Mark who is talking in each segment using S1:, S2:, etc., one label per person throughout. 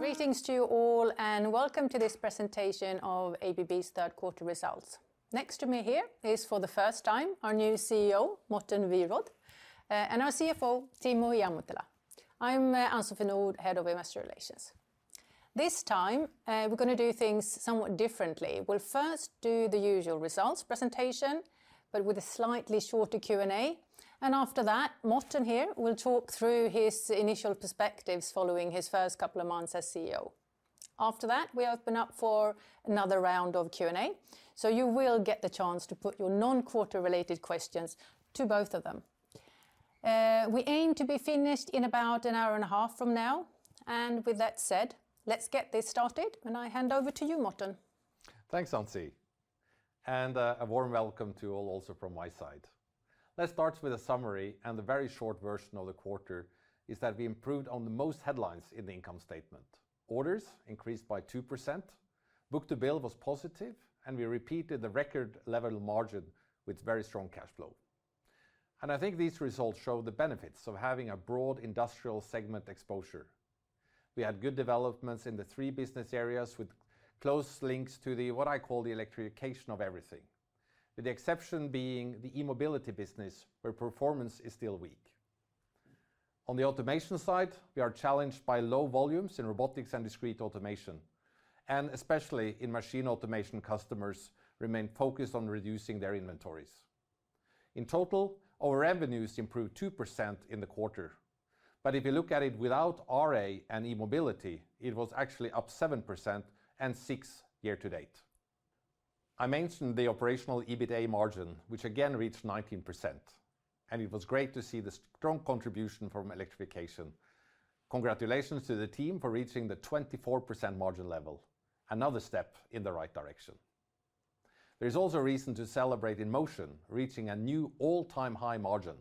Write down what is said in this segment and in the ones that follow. S1: Greetings to you all, and welcome to this presentation of ABB's third quarter results. Next to me here is, for the first time, our new CEO, Morten Wierod, and our CFO, Timo Ihamuotila. I'm Ann-Sofie Nordh, Head of Investor Relations. This time, we're gonna do things somewhat differently. We'll first do the usual results presentation, but with a slightly shorter Q&A, and after that, Morten here will talk through his initial perspectives following his first couple of months as CEO. After that, we open up for another round of Q&A, so you will get the chance to put your non-quarter related questions to both of them. We aim to be finished in about an hour and a half from now, and with that said, let's get this started, and I hand over to you, Morten.
S2: Thanks, Ann-Sofie, and a warm welcome to you all also from my side. Let's start with a summary, and the very short version of the quarter is that we improved on the most headlines in the income statement. Orders increased by 2%, book-to-bill was positive, and we repeated the record level margin with very strong cash flow. I think these results show the benefits of having a broad industrial segment exposure. We had good developments in the three business areas with close links to the, what I call, the electrification of everything, with the exception being the E-mobility business, where performance is still weak. On the automation side, we are challenged by low volumes in Robotics and Discrete Automation, and especially in Machine Automation, customers remain focused on reducing their inventories. In total, our revenues improved 2% in the quarter, but if you look at it without RA and E-mobility, it was actually up 7% and 6% year to date. I mentioned the operational EBITA margin, which again reached 19%, and it was great to see the strong contribution from electrification. Congratulations to the team for reaching the 24% margin level, another step in the right direction. There's also reason to celebrate in motion, reaching a new all-time high margin,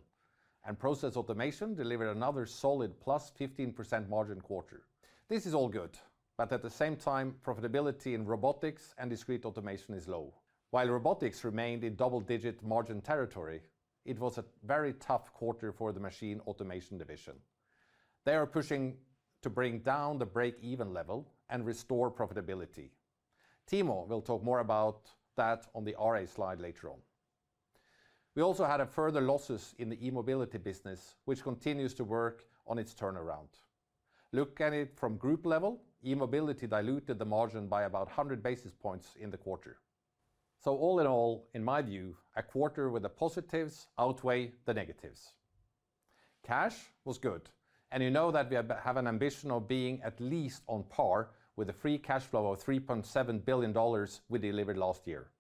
S2: and process automation delivered another solid plus 15% margin quarter. This is all good, but at the same time, profitability in Robotics and Discrete Automation is low. While Robotics remained in double-digit margin territory, it was a very tough quarter for the Machine Automation division. They are pushing to bring down the break-even level and restore profitability. Timo will talk more about that on the RA slide later on. We also had further losses in the E-mobility business, which continues to work on its turnaround. Look at it from group level, E-mobility diluted the margin by about 100 basis points in the quarter. So all in all, in my view, a quarter with the positives outweigh the negatives. Cash was good, and you know that we have an ambition of being at least on par with the free cash flow of $3.7 billion we delivered last year.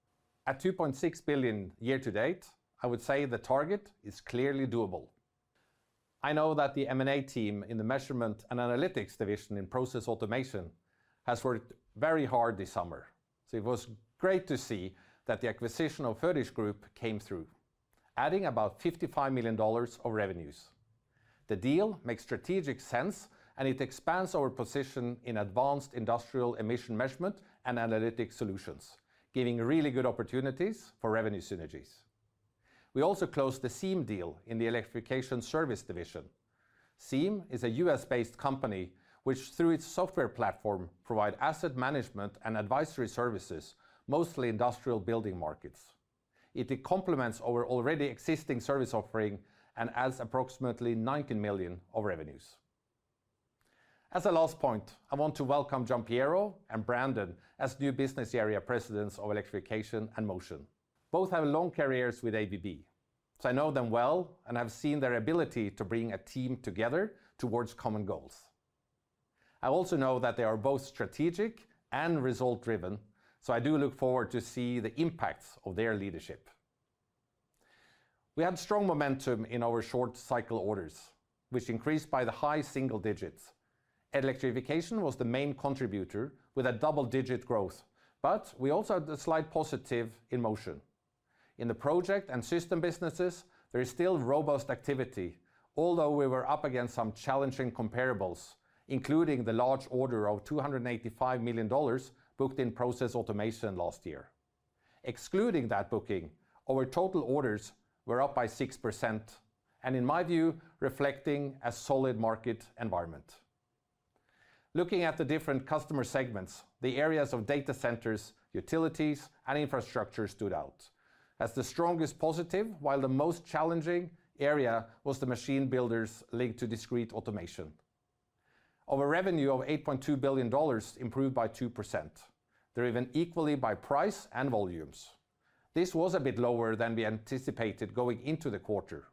S2: At $2.6 billion year to date, I would say the target is clearly doable. I know that the M&A team in the Measurement and Analytics division in Process Automation has worked very hard this summer, so it was great to see that the acquisition of Födisch Group came through, adding about $55 million of revenues. The deal makes strategic sense, and it expands our position in advanced industrial emission measurement and analytic solutions, giving really good opportunities for revenue synergies. We also closed the SEAM deal in the Electrification Service division. SEAM is a U.S.-based company, which, through its software platform, provide asset management and advisory services, mostly industrial building markets. It complements our already existing service offering and adds approximately 19 million of revenues. As a last point, I want to welcome Giampiero and Brandon as new business area presidents of Electrification and Motion. Both have long careers with ABB, so I know them well and I've seen their ability to bring a team together towards common goals. I also know that they are both strategic and result-driven, so I do look forward to see the impacts of their leadership. We had strong momentum in our short cycle orders, which increased by the high single digits. Electrification was the main contributor, with a double-digit growth, but we also had a slight positive in Motion. In the project and system businesses, there is still robust activity, although we were up against some challenging comparables, including the large order of $285 million booked in Process Automation last year. Excluding that booking, our total orders were up by 6%, and in my view, reflecting a solid market environment. Looking at the different customer segments, the areas of data centers, utilities, and infrastructure stood out as the strongest positive, while the most challenging area was the machine builders linked to Discrete Automation. Our revenue of $8.2 billion improved by 2%, driven equally by price and volumes. This was a bit lower than we anticipated going into the quarter.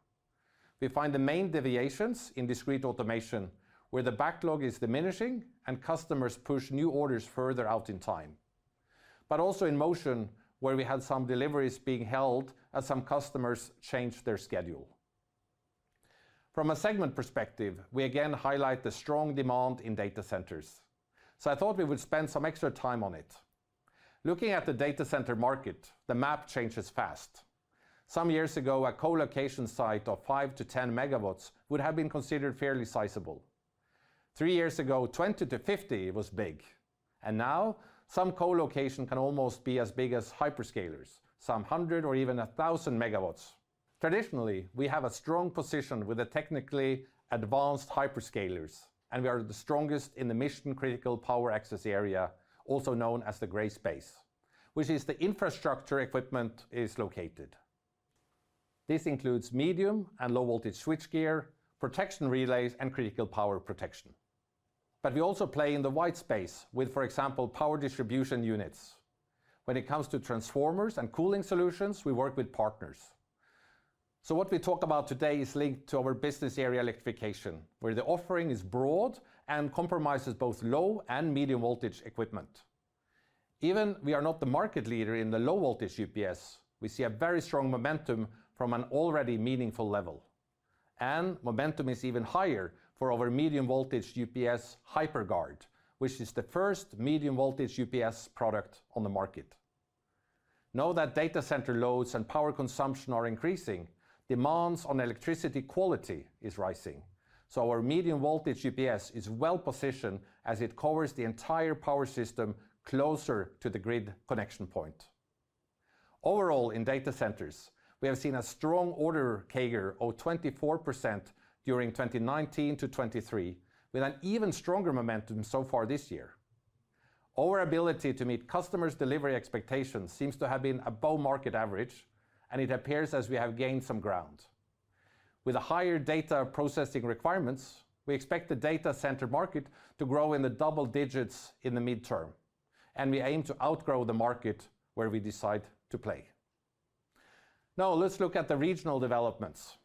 S2: We find the main deviations in Discrete Automation, where the backlog is diminishing and customers push new orders further out in time. But also in Motion, where we had some deliveries being held as some customers changed their schedule. From a segment perspective, we again highlight the strong demand in data centers, so I thought we would spend some extra time on it. Looking at the data center market, the map changes fast. Some years ago, a co-location site of five-to-ten megawatts would have been considered fairly sizable. Three years ago, 20-to-50 was big.... and now, some co-location can almost be as big as hyperscalers, some hundred or even a thousand megawatts. Traditionally, we have a strong position with the technically advanced hyperscalers, and we are the strongest in the mission-critical power access area, also known as the gray space, which is where the infrastructure equipment is located. This includes medium- and low-voltage switchgear, protection relays, and critical power protection, but we also play in the white space with, for example, power distribution units. When it comes to transformers and cooling solutions, we work with partners, so what we talk about today is linked to our business area electrification, where the offering is broad and comprises both low- and medium-voltage equipment. Even we are not the market leader in the low-voltage UPS, we see a very strong momentum from an already meaningful level, and momentum is even higher for our medium-voltage UPS HiPerGuard, which is the first medium-voltage UPS product on the market. Now that data center loads and power consumption are increasing, demands on electricity quality is rising, so our medium-voltage UPS is well positioned, as it covers the entire power system closer to the grid connection point. Overall, in data centers, we have seen a strong order CAGR of 24% during 2019 to 2023, with an even stronger momentum so far this year. Our ability to meet customers' delivery expectations seems to have been above market average, and it appears as we have gained some ground. With higher data processing requirements, we expect the data center market to grow in the double digits in the midterm, and we aim to outgrow the market where we decide to play. Now let's look at the regional developments.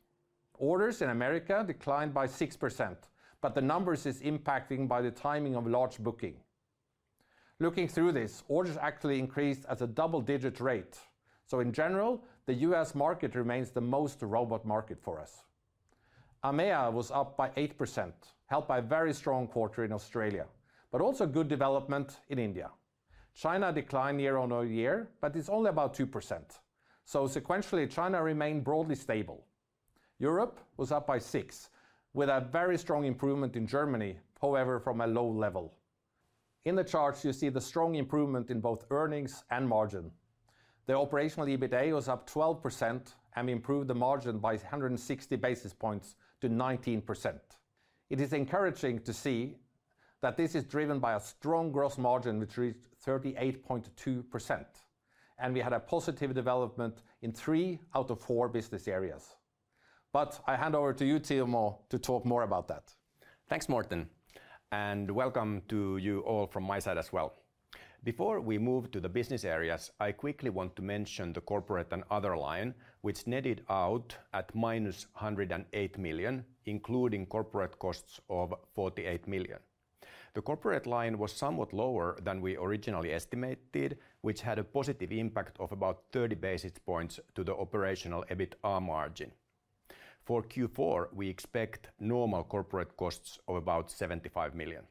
S2: Orders in America declined by 6%, but the numbers is impacting by the timing of large booking. Looking through this, orders actually increased at a double-digit rate, so in general, the U.S. market remains the most robust market for us. EMEA was up by 8%, helped by a very strong quarter in Australia, but also good development in India. China declined year-on-year, but it's only about 2%, so sequentially, China remained broadly stable. Europe was up by 6%, with a very strong improvement in Germany, however, from a low level. In the charts, you see the strong improvement in both earnings and margin. The operational EBITA was up 12%, and we improved the margin by 160 basis points to 19%. It is encouraging to see that this is driven by a strong gross margin, which reached 38.2%, and we had a positive development in three out of four business areas. But I hand over to you, Timo, to talk more about that.
S3: Thanks, Martin, and welcome to you all from my side as well. Before we move to the business areas, I quickly want to mention the Corporate and Other line, which netted out at -$108 million, including corporate costs of $48 million. The corporate line was somewhat lower than we originally estimated, which had a positive impact of about 30 basis points to the operational EBITA margin. For Q4, we expect normal corporate costs of about $75 million.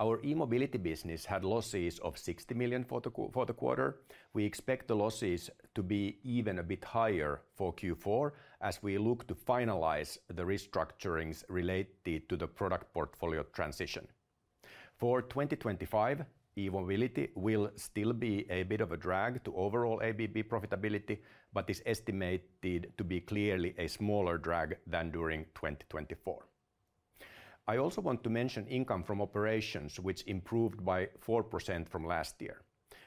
S3: Our E-mobility business had losses of $60 million for the quarter. We expect the losses to be even a bit higher for Q4, as we look to finalize the restructurings related to the product portfolio transition. For 2025, E-mobility will still be a bit of a drag to overall ABB profitability, but is estimated to be clearly a smaller drag than during 2024. I also want to mention income from operations, which improved by 4% from last year.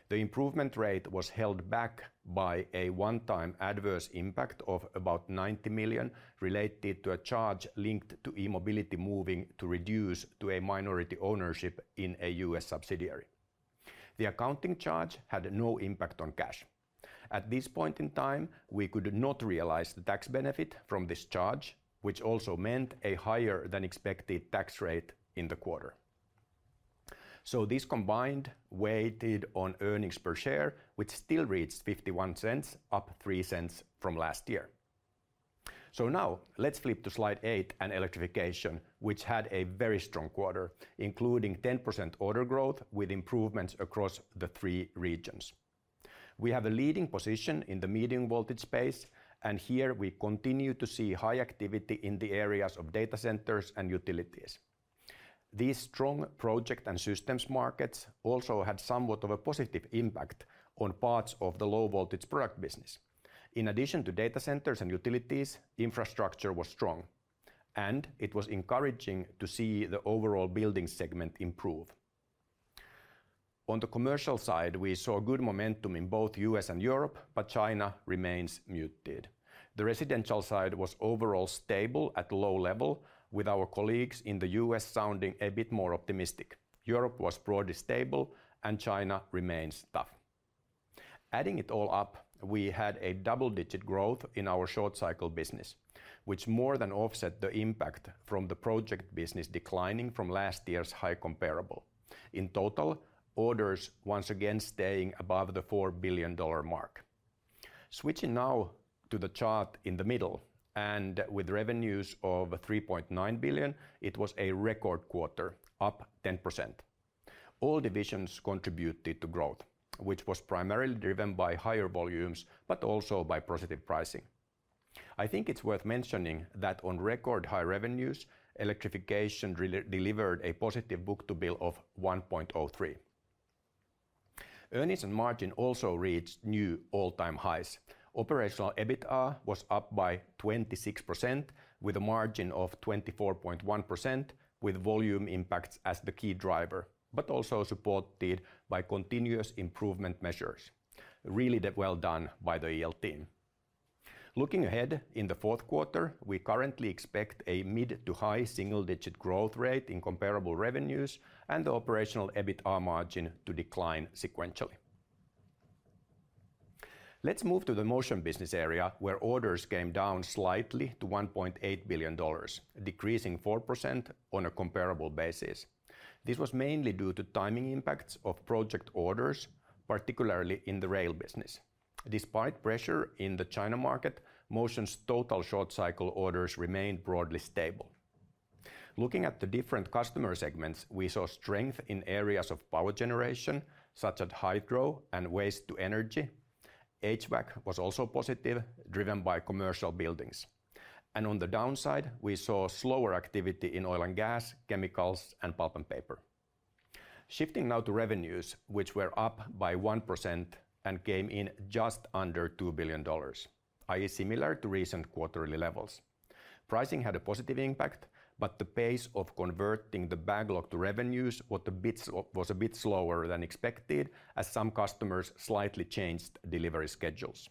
S3: The improvement rate was held back by a one-time adverse impact of about $90 million related to a charge linked to E-mobility moving to reduce to a minority ownership in a U.S. subsidiary. The accounting charge had no impact on cash. At this point in time, we could not realize the tax benefit from this charge, which also meant a higher-than-expected tax rate in the quarter, so this combined weighed on earnings per share, which still reached $0.51, up $0.03 from last year, so now let's flip to slide 8 and Electrification, which had a very strong quarter, including 10% order growth with improvements across the three regions. We have a leading position in the medium voltage space, and here we continue to see high activity in the areas of data centers and utilities. These strong project and systems markets also had somewhat of a positive impact on parts of the low-voltage product business. In addition to data centers and utilities, infrastructure was strong, and it was encouraging to see the overall building segment improve. On the commercial side, we saw good momentum in both U.S. and Europe, but China remains muted. The residential side was overall stable at low level, with our colleagues in the U.S. sounding a bit more optimistic. Europe was broadly stable, and China remains tough. Adding it all up, we had a double-digit growth in our short cycle business, which more than offset the impact from the project business declining from last year's high comparable. In total, orders once again staying above the $4 billion mark. Switching now to the chart in the middle, and with revenues of $3.9 billion, it was a record quarter, up 10%. All divisions contributed to growth, which was primarily driven by higher volumes, but also by positive pricing. I think it's worth mentioning that on record high revenues, Electrification delivered a positive book-to-bill of 1.03. Earnings and margin also reached new all-time highs. Operational EBITA was up by 26%, with a margin of 24.1%, with volume impacts as the key driver, but also supported by continuous improvement measures. Really well done by the EL team. Looking ahead, in the fourth quarter, we currently expect a mid- to high single-digit growth rate in comparable revenues and the operational EBITA margin to decline sequentially. Let's move to the Motion business area, where orders came down slightly to $1.8 billion, decreasing 4% on a comparable basis. This was mainly due to timing impacts of project orders, particularly in the rail business. Despite pressure in the China market, Motion's total short-cycle orders remained broadly stable. Looking at the different customer segments, we saw strength in areas of power generation, such as hydro and waste-to-energy. HVAC was also positive, driven by commercial buildings, and on the downside, we saw slower activity in oil and gas, chemicals, and pulp and paper. Shifting now to revenues, which were up by 1% and came in just under $2 billion, i.e., similar to recent quarterly levels. Pricing had a positive impact, but the pace of converting the backlog to revenues was a bit slower than expected, as some customers slightly changed delivery schedules.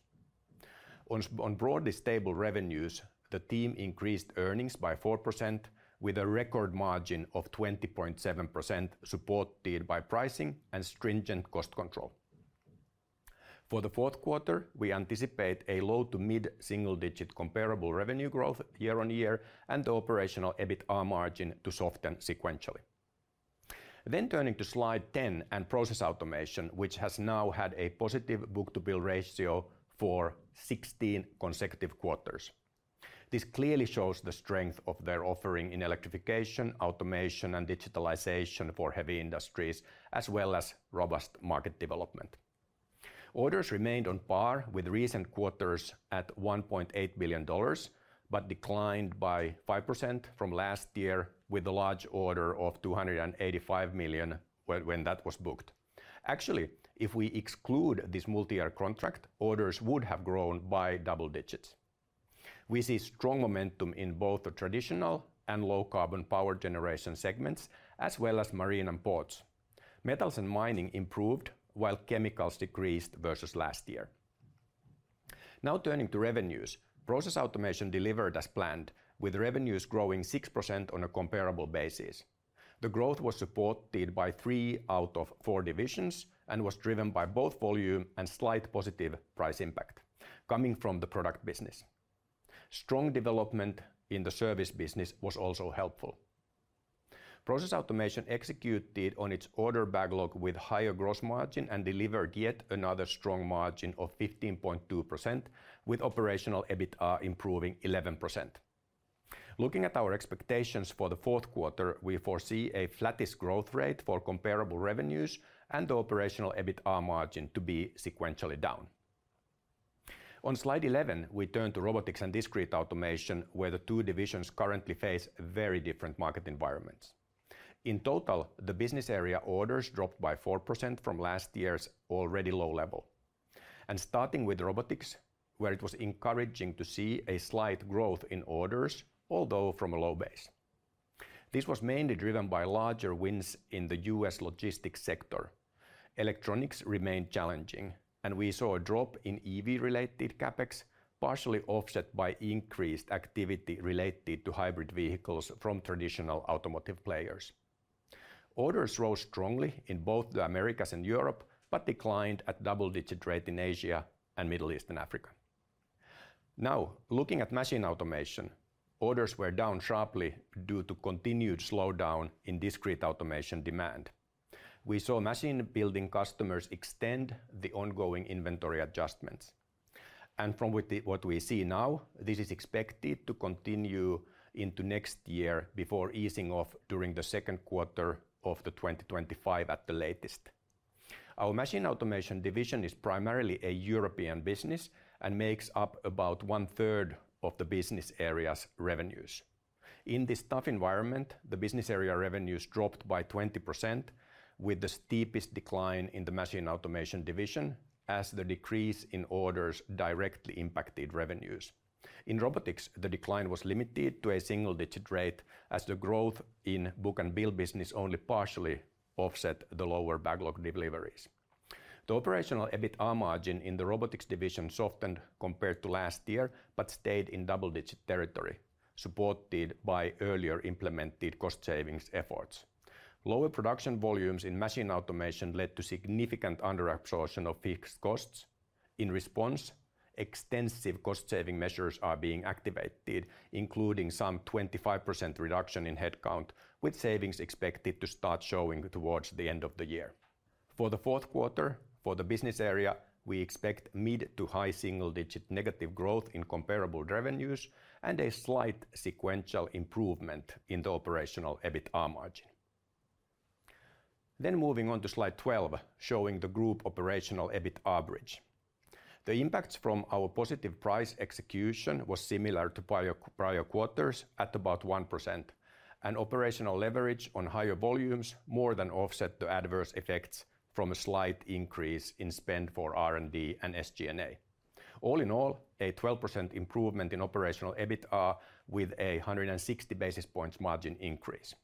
S3: On broadly stable revenues, the team increased earnings by 4%, with a record margin of 20.7%, supported by pricing and stringent cost control. For the fourth quarter, we anticipate a low- to mid-single-digit comparable revenue growth year-on-year and the operational EBITA margin to soften sequentially. Turning to slide 10 and Process Automation, which has now had a positive book-to-bill ratio for 16 consecutive quarters. This clearly shows the strength of their offering in electrification, automation, and digitalization for heavy industries, as well as robust market development. Orders remained on par with recent quarters at $1.8 billion, but declined by 5% from last year, with a large order of $285 million when that was booked. Actually, if we exclude this multi-year contract, orders would have grown by double digits. We see strong momentum in both the traditional and low-carbon power generation segments, as well as marine and ports. Metals and mining improved, while chemicals decreased versus last year. Now, turning to revenues, Process Automation delivered as planned, with revenues growing 6% on a comparable basis. The growth was supported by three out of four divisions and was driven by both volume and slight positive price impact coming from the product business. Strong development in the service business was also helpful. Process Automation executed on its order backlog with higher gross margin and delivered yet another strong margin of 15.2%, with operational EBITA improving 11%. Looking at our expectations for the fourth quarter, we foresee a flattish growth rate for comparable revenues and the operational EBITA margin to be sequentially down. On slide 11, we turn to Robotics and Discrete Automation, where the two divisions currently face very different market environments. In total, the business area orders dropped by 4% from last year's already low level. Starting with Robotics, where it was encouraging to see a slight growth in orders, although from a low base. This was mainly driven by larger wins in the U.S. logistics sector. Electronics remained challenging, and we saw a drop in EV-related CapEx, partially offset by increased activity related to hybrid vehicles from traditional automotive players. Orders rose strongly in both the Americas and Europe, but declined at double-digit rate in Asia and Middle East and Africa. Now, looking at Machine Automation, orders were down sharply due to continued slowdown in Discrete Automation demand. We saw machine building customers extend the ongoing inventory adjustments, and from what we see now, this is expected to continue into next year before easing off during the second quarter of 2025 at the latest. Our Machine Automation division is primarily a European business and makes up about one third of the business area's revenues. In this tough environment, the business area revenues dropped by 20%, with the steepest decline in the Machine Automation division, as the decrease in orders directly impacted revenues. In Robotics, the decline was limited to a single-digit rate as the growth in book-and-bill business only partially offset the lower backlog deliveries. The operational EBITA margin in the Robotics division softened compared to last year, but stayed in double-digit territory, supported by earlier implemented cost savings efforts. Lower production volumes in Machine Automation led to significant underabsorption of fixed costs. In response, extensive cost-saving measures are being activated, including a 25% reduction in headcount, with savings expected to start showing towards the end of the year. For the fourth quarter, for the business area, we expect mid- to high single-digit negative growth in comparable revenues and a slight sequential improvement in the operational EBITA margin. Moving on to slide 12, showing the group operational EBITA bridge. The impacts from our positive price execution were similar to prior, prior quarters at about 1%, and operational leverage on higher volumes more than offset the adverse effects from a slight increase in spend for R&D and SG&A. All in all, a 12% improvement in operational EBITA, with 160 basis points margin increase.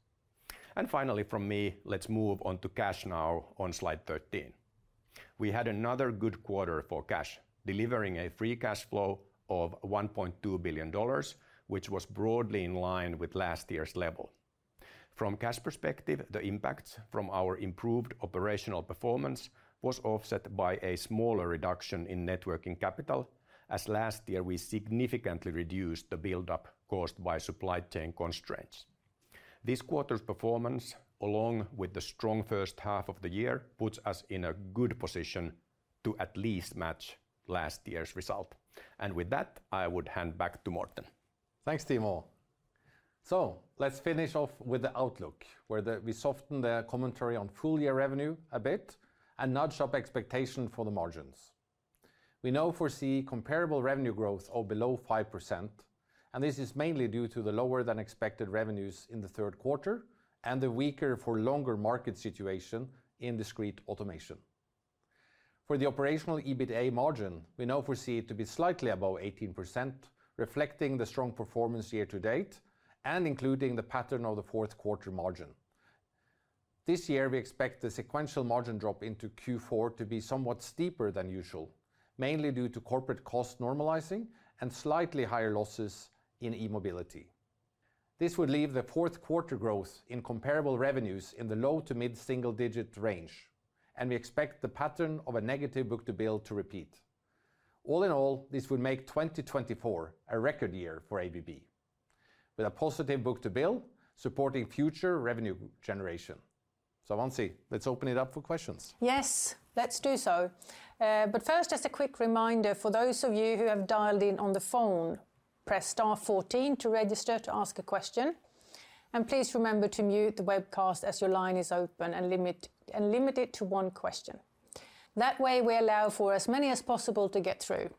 S3: And finally, from me, let's move on to cash now on slide 13. We had another good quarter for cash, delivering a free cash flow of $1.2 billion, which was broadly in line with last year's level. From cash perspective, the impacts from our improved operational performance were offset by a smaller reduction in net working capital, as last year we significantly reduced the buildup caused by supply chain constraints. This quarter's performance, along with the strong first half of the year, puts us in a good position to at least match last year's result. And with that, I would hand back to Morten.
S2: Thanks, Timo. So let's finish off with the outlook, where we soften the commentary on full-year revenue a bit and nudge up expectation for the margins. We now foresee comparable revenue growth of below 5%, and this is mainly due to the lower-than-expected revenues in the third quarter and the weaker-for-longer market situation in Discrete Automation. For the operational EBITA margin, we now foresee it to be slightly above 18%, reflecting the strong performance year to date and including the pattern of the fourth quarter margin. This year, we expect the sequential margin drop into Q4 to be somewhat steeper than usual, mainly due to corporate cost normalizing and slightly higher losses in E-mobility. This would leave the fourth quarter growth in comparable revenues in the low to mid-single-digit range, and we expect the pattern of a negative book-to-bill to repeat. All in all, this would make 2024 a record year for ABB, with a positive book-to-bill supporting future revenue generation. So, Ann-Sofie, let's open it up for questions.
S1: Yes, let's do so. But first, just a quick reminder for those of you who have dialed in on the phone, press star 14 to register to ask a question, and please remember to mute the webcast as your line is open, and limit it to one question. That way, we allow for as many as possible to get through.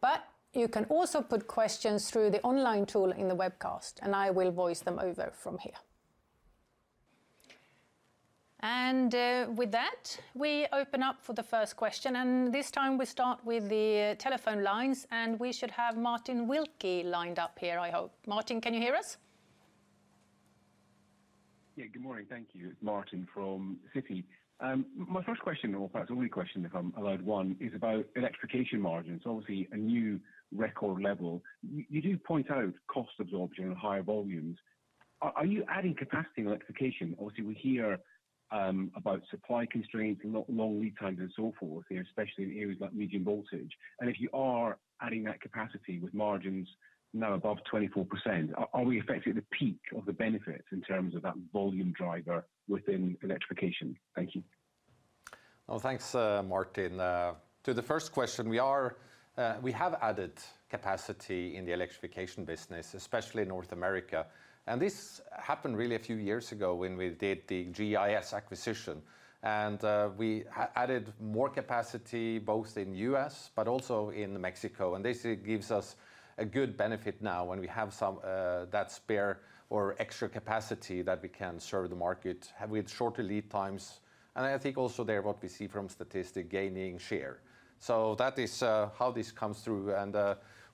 S1: But you can also put questions through the online tool in the webcast, and I will voice them over from here. And with that, we open up for the first question, and this time we start with the telephone lines, and we should have Martin Wilkie lined up here, I hope. Martin, can you hear us?
S4: Yeah. Good morning. Thank you. Martin from Citi. My first question, or perhaps only question, if I'm allowed one, is about electrification margins. Obviously, a new record level. You do point out cost absorption and higher volumes. Are you adding capacity in electrification? Obviously, we hear about supply constraints and long lead times and so forth, you know, especially in areas like medium voltage. And if you are adding that capacity with margins now above 24%, are we effectively at the peak of the benefits in terms of that volume driver within electrification? Thank you.
S2: Well, thanks, Martin. To the first question, we are, we have added capacity in the electrification business, especially in North America, and this happened really a few years ago when we did the GEIS acquisition. And we added more capacity, both in U.S. but also in Mexico, and this gives us a good benefit now when we have some that spare or extra capacity that we can serve the market, have with shorter lead times. And I think also there, what we see from statistics, gaining share. So that is how this comes through and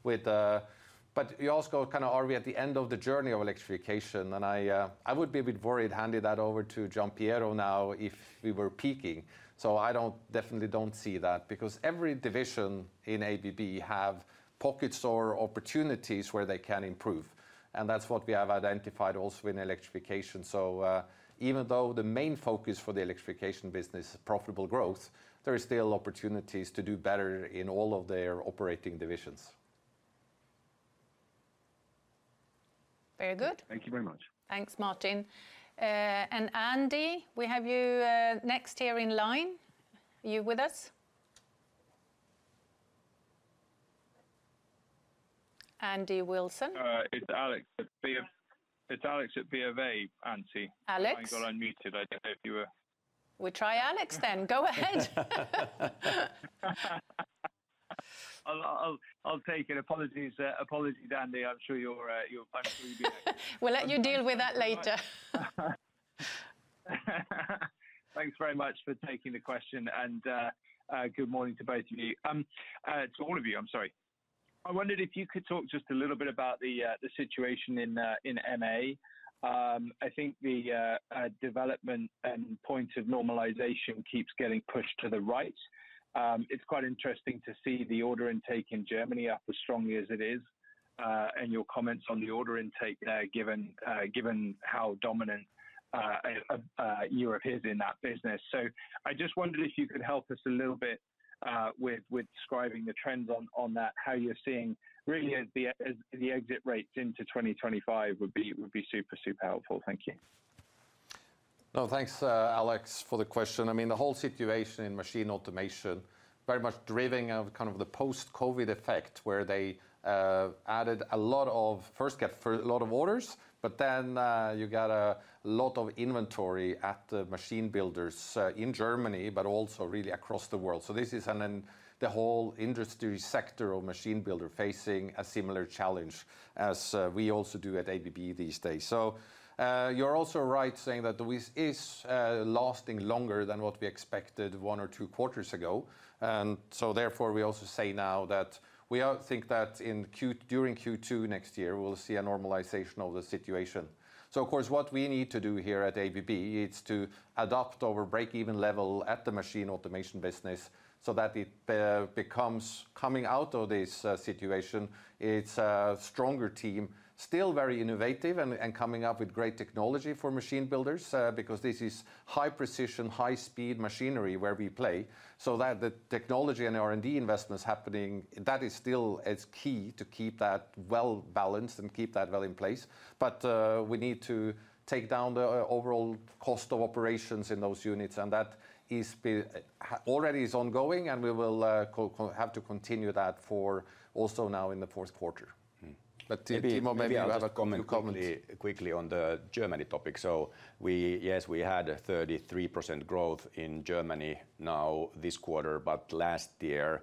S2: with. But you also kind of, are we at the end of the journey of electrification? And I would be a bit worried, handing that over to Giampiero now, if we were peaking. So I don't definitely don't see that because every division in ABB have pockets or opportunities where they can improve, and that's what we have identified also in electrification. So even though the main focus for the electrification business, profitable growth, there is still opportunities to do better in all of their operating divisions.
S1: Very good.
S4: Thank you very much.
S1: Thanks, Martin. And Andy, we have you next here in line. Are you with us? Andy Wilson? It's Alex at BofA, Ann-Sofie. Alex? I got unmuted. I don't know if you were- We'll try Alex then. Go ahead. I'll take it. Apologies, Andy. I'm sure you're painfully busy. We'll let you deal with that later. Thanks very much for taking the question, and good morning to both of you. To all of you, I'm sorry. I wondered if you could talk just a little bit about the situation in MA. I think the development and point of normalization keeps getting pushed to the right. It's quite interesting to see the order intake in Germany up as strongly as it is, and your comments on the order intake there, given how dominant Europe is in that business. So I just wondered if you could help us a little bit with describing the trends on that, how you're seeing really as the exit rates into 2025 would be super helpful. Thank you.
S2: Oh, thanks, Alex, for the question. I mean, the whole situation in Machine Automation very much driven of kind of the post-COVID effect, where they added a lot of capacity for a lot of orders, but then you got a lot of inventory at the machine builders in Germany, but also really across the world. So this is an, the whole industry sector of machine builder facing a similar challenge as we also do at ABB these days. So you're also right saying that this is lasting longer than what we expected one or two quarters ago. And so therefore, we also say now that we think that during Q2 next year, we'll see a normalization of the situation. Of course, what we need to do here at ABB is to adopt our break-even level at the Machine Automation business so that it becomes coming out of this situation, it's a stronger team, still very innovative and coming up with great technology for machine builders, because this is high precision, high speed machinery where we play. So that the technology and R&D investments happening, that is still key to keep that well balanced and keep that well in place. But we need to take down the overall cost of operations in those units, and that is already ongoing, and we will have to continue that for also now in the fourth quarter. But Timo, maybe you have a comment?
S3: Quickly on the Germany topic. We, yes, we had 33% growth in Germany this quarter, but last year,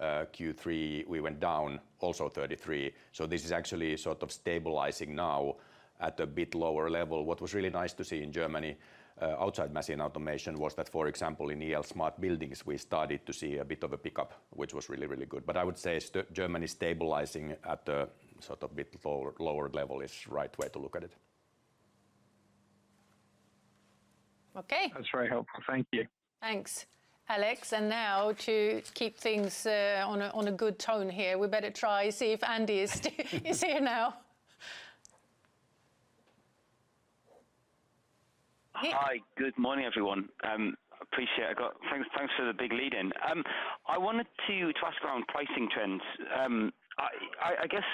S3: Q3, we went down also 33%. This is actually sort of stabilizing now at a bit lower level. What was really nice to see in Germany, outside Machine Automation, was that, for example, in EL Smart Buildings, we started to see a bit of a pickup, which was really, really good. But I would say Germany stabilizing at a sort of bit lower level is the right way to look at it.
S1: Okay. That's very helpful. Thank you. Thanks, Alex. And now to keep things on a good tone here, we better try see if Andy is here now.
S5: Hi, good morning, everyone. Appreciate I got... Thanks for the big lead in. I wanted to ask around pricing trends. I guess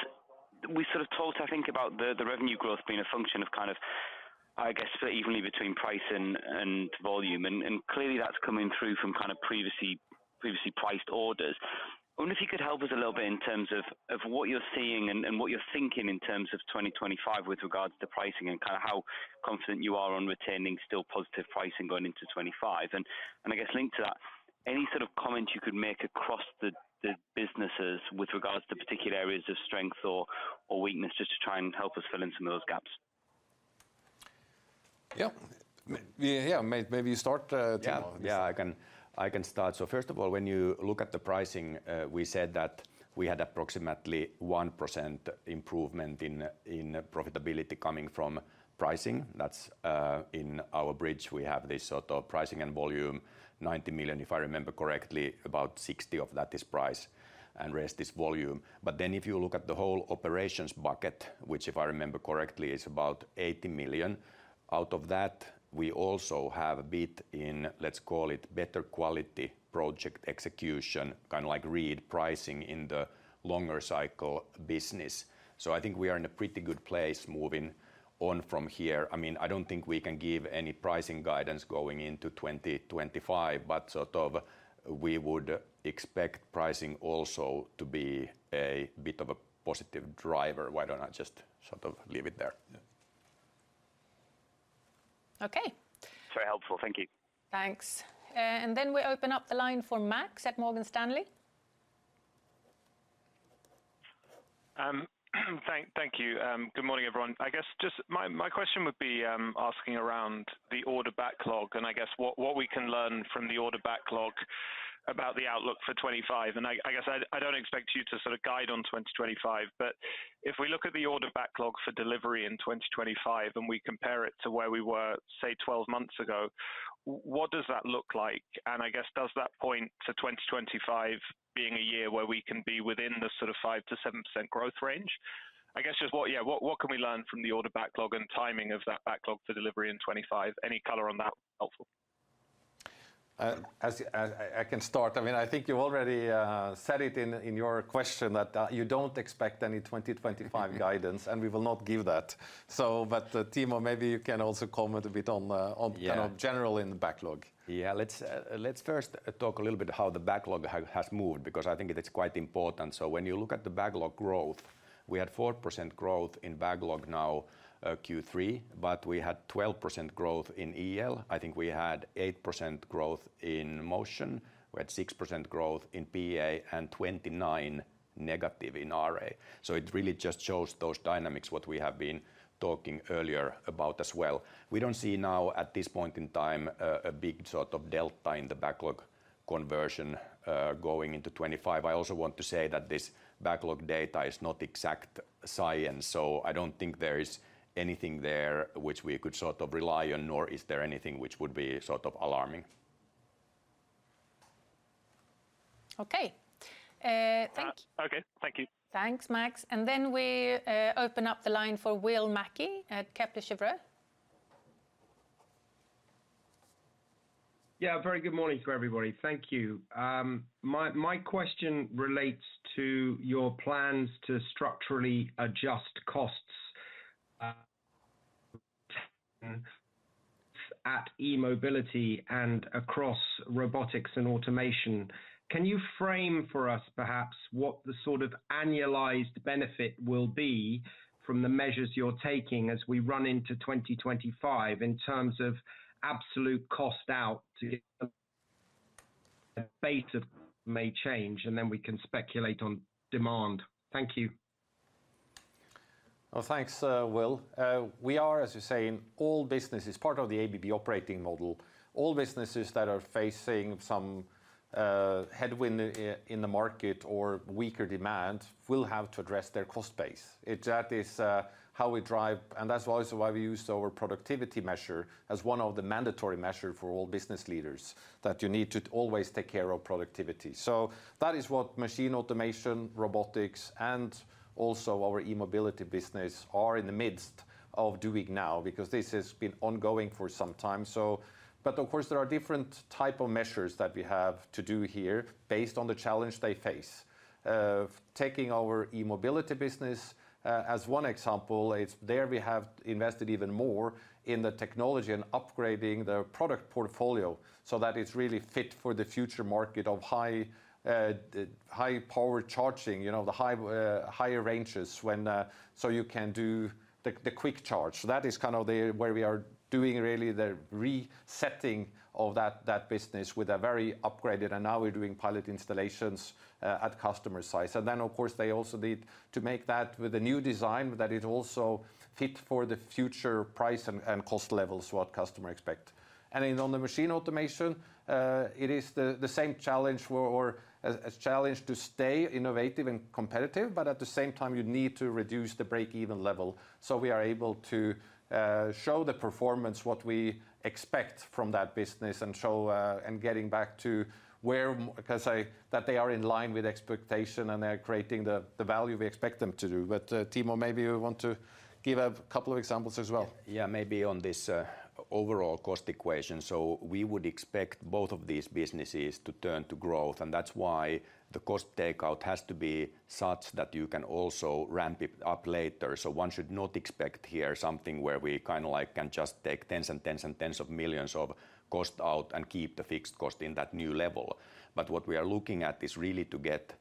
S5: we sort of talked, I think, about the revenue growth being a function of kind of, I guess, split evenly between price and volume. And clearly that's coming through from kind of previously priced orders. I wonder if you could help us a little bit in terms of what you're seeing and what you're thinking in terms of 2025 with regards to pricing and kind of how confident you are on retaining still positive pricing going into 2025. I guess linked to that, any sort of comment you could make across the businesses with regards to particular areas of strength or weakness, just to try and help us fill in some of those gaps?
S2: Yeah. Yeah, maybe you start, Timo.
S3: Yeah. Yeah, I can, I can start. So first of all, when you look at the pricing, we said that we had approximately 1% improvement in profitability coming from pricing. That's in our bridge, we have this sort of pricing and volume, $90 million, if I remember correctly, about $60 million of that is price, and rest is volume. But then if you look at the whole operations bucket, which, if I remember correctly, is about $80 million, out of that, we also have a bit in, let's call it, better quality project execution, kind of like right pricing in the longer cycle business. So I think we are in a pretty good place moving on from here. I mean, I don't think we can give any pricing guidance going into 2025, but sort of we would expect pricing also to be a bit of a positive driver. Why don't I just sort of leave it there?
S1: Okay.
S5: Very helpful. Thank you.
S1: Thanks, and then we open up the line for Max at Morgan Stanley.
S6: Thank you. Good morning, everyone. I guess just my question would be asking around the order backlog, and I guess what we can learn from the order backlog about the outlook for 2025. And I guess I don't expect you to sort of guide on 2025, but if we look at the order backlog for delivery in 2025, and we compare it to where we were, say, 12 months ago, what does that look like? And I guess, does that point to 2025 being a year where we can be within the sort of 5%-7% growth range? I guess just what... Yeah, what can we learn from the order backlog and timing of that backlog to delivery in 2025? Any color on that would be helpful.
S2: As I can start. I mean, I think you already said it in your question, that you don't expect any 2025 guidance, and we will not give that. So but, Timo, maybe you can also comment a bit on, on-
S3: Yeah
S2: Kind of general in the backlog.
S3: Yeah, let's first talk a little bit how the backlog has moved, because I think it is quite important. So when you look at the backlog growth, we had 4% growth in backlog now, Q3, but we had 12% growth in EL. I think we had 8% growth in Motion. We had 6% growth in PA and -29% in RA. So it really just shows those dynamics, what we have been talking earlier about as well. We don't see now at this point in time a big sort of delta in the backlog conversion going into 2025. I also want to say that this backlog data is not exact science, so I don't think there is anything there which we could sort of rely on, nor is there anything which would be sort of alarming.
S1: Okay, thank-
S6: Okay, thank you.
S1: Thanks, Max. And then we open up the line for Will Mackie at Kepler Cheuvreux.
S7: Yeah, a very good morning to everybody. Thank you. My question relates to your plans to structurally adjust costs at E-mobility and across Robotics and automation. Can you frame for us perhaps what the sort of annualized benefit will be from the measures you're taking as we run into 2025 in terms of absolute cost out to the P&L base or may change, and then we can speculate on demand? Thank you.
S2: Well, thanks, Will. We are, as you say, in all businesses, part of the ABB operating model. All businesses that are facing some headwind in the market or weaker demand will have to address their cost base. That is how we drive, and that's also why we use our productivity measure as one of the mandatory measure for all business leaders, that you need to always take care of productivity. So that is what Machine Automation, Robotics, and also our E-mobility business are in the midst of doing now, because this has been ongoing for some time. So but of course there are different type of measures that we have to do here based on the challenge they face. Taking our E-mobility business as one example, it's there we have invested even more in the technology and upgrading the product portfolio so that it's really fit for the future market of high power charging, you know, the higher ranges when so you can do the quick charge. So that is kind of the where we are doing really the resetting of that business with a very upgraded, and now we're doing pilot installations at customer site. So then of course, they also need to make that with a new design, that it also fit for the future price and cost levels, what customer expect. In the Machine Automation, it is the same challenge to stay innovative and competitive, but at the same time, you need to reduce the break-even level so we are able to show the performance what we expect from that business, and getting back to where we can say that they are in line with expectation, and they're creating the value we expect them to do. Timo, maybe you want to give a couple of examples as well.
S3: Yeah, maybe on this overall cost equation. So we would expect both of these businesses to turn to growth, and that's why the cost takeout has to be such that you can also ramp it up later. So one should not expect here something where we kind of like can just take tens and tens and tens of millions of cost out and keep the fixed cost in that new level. But what we are looking at is really to get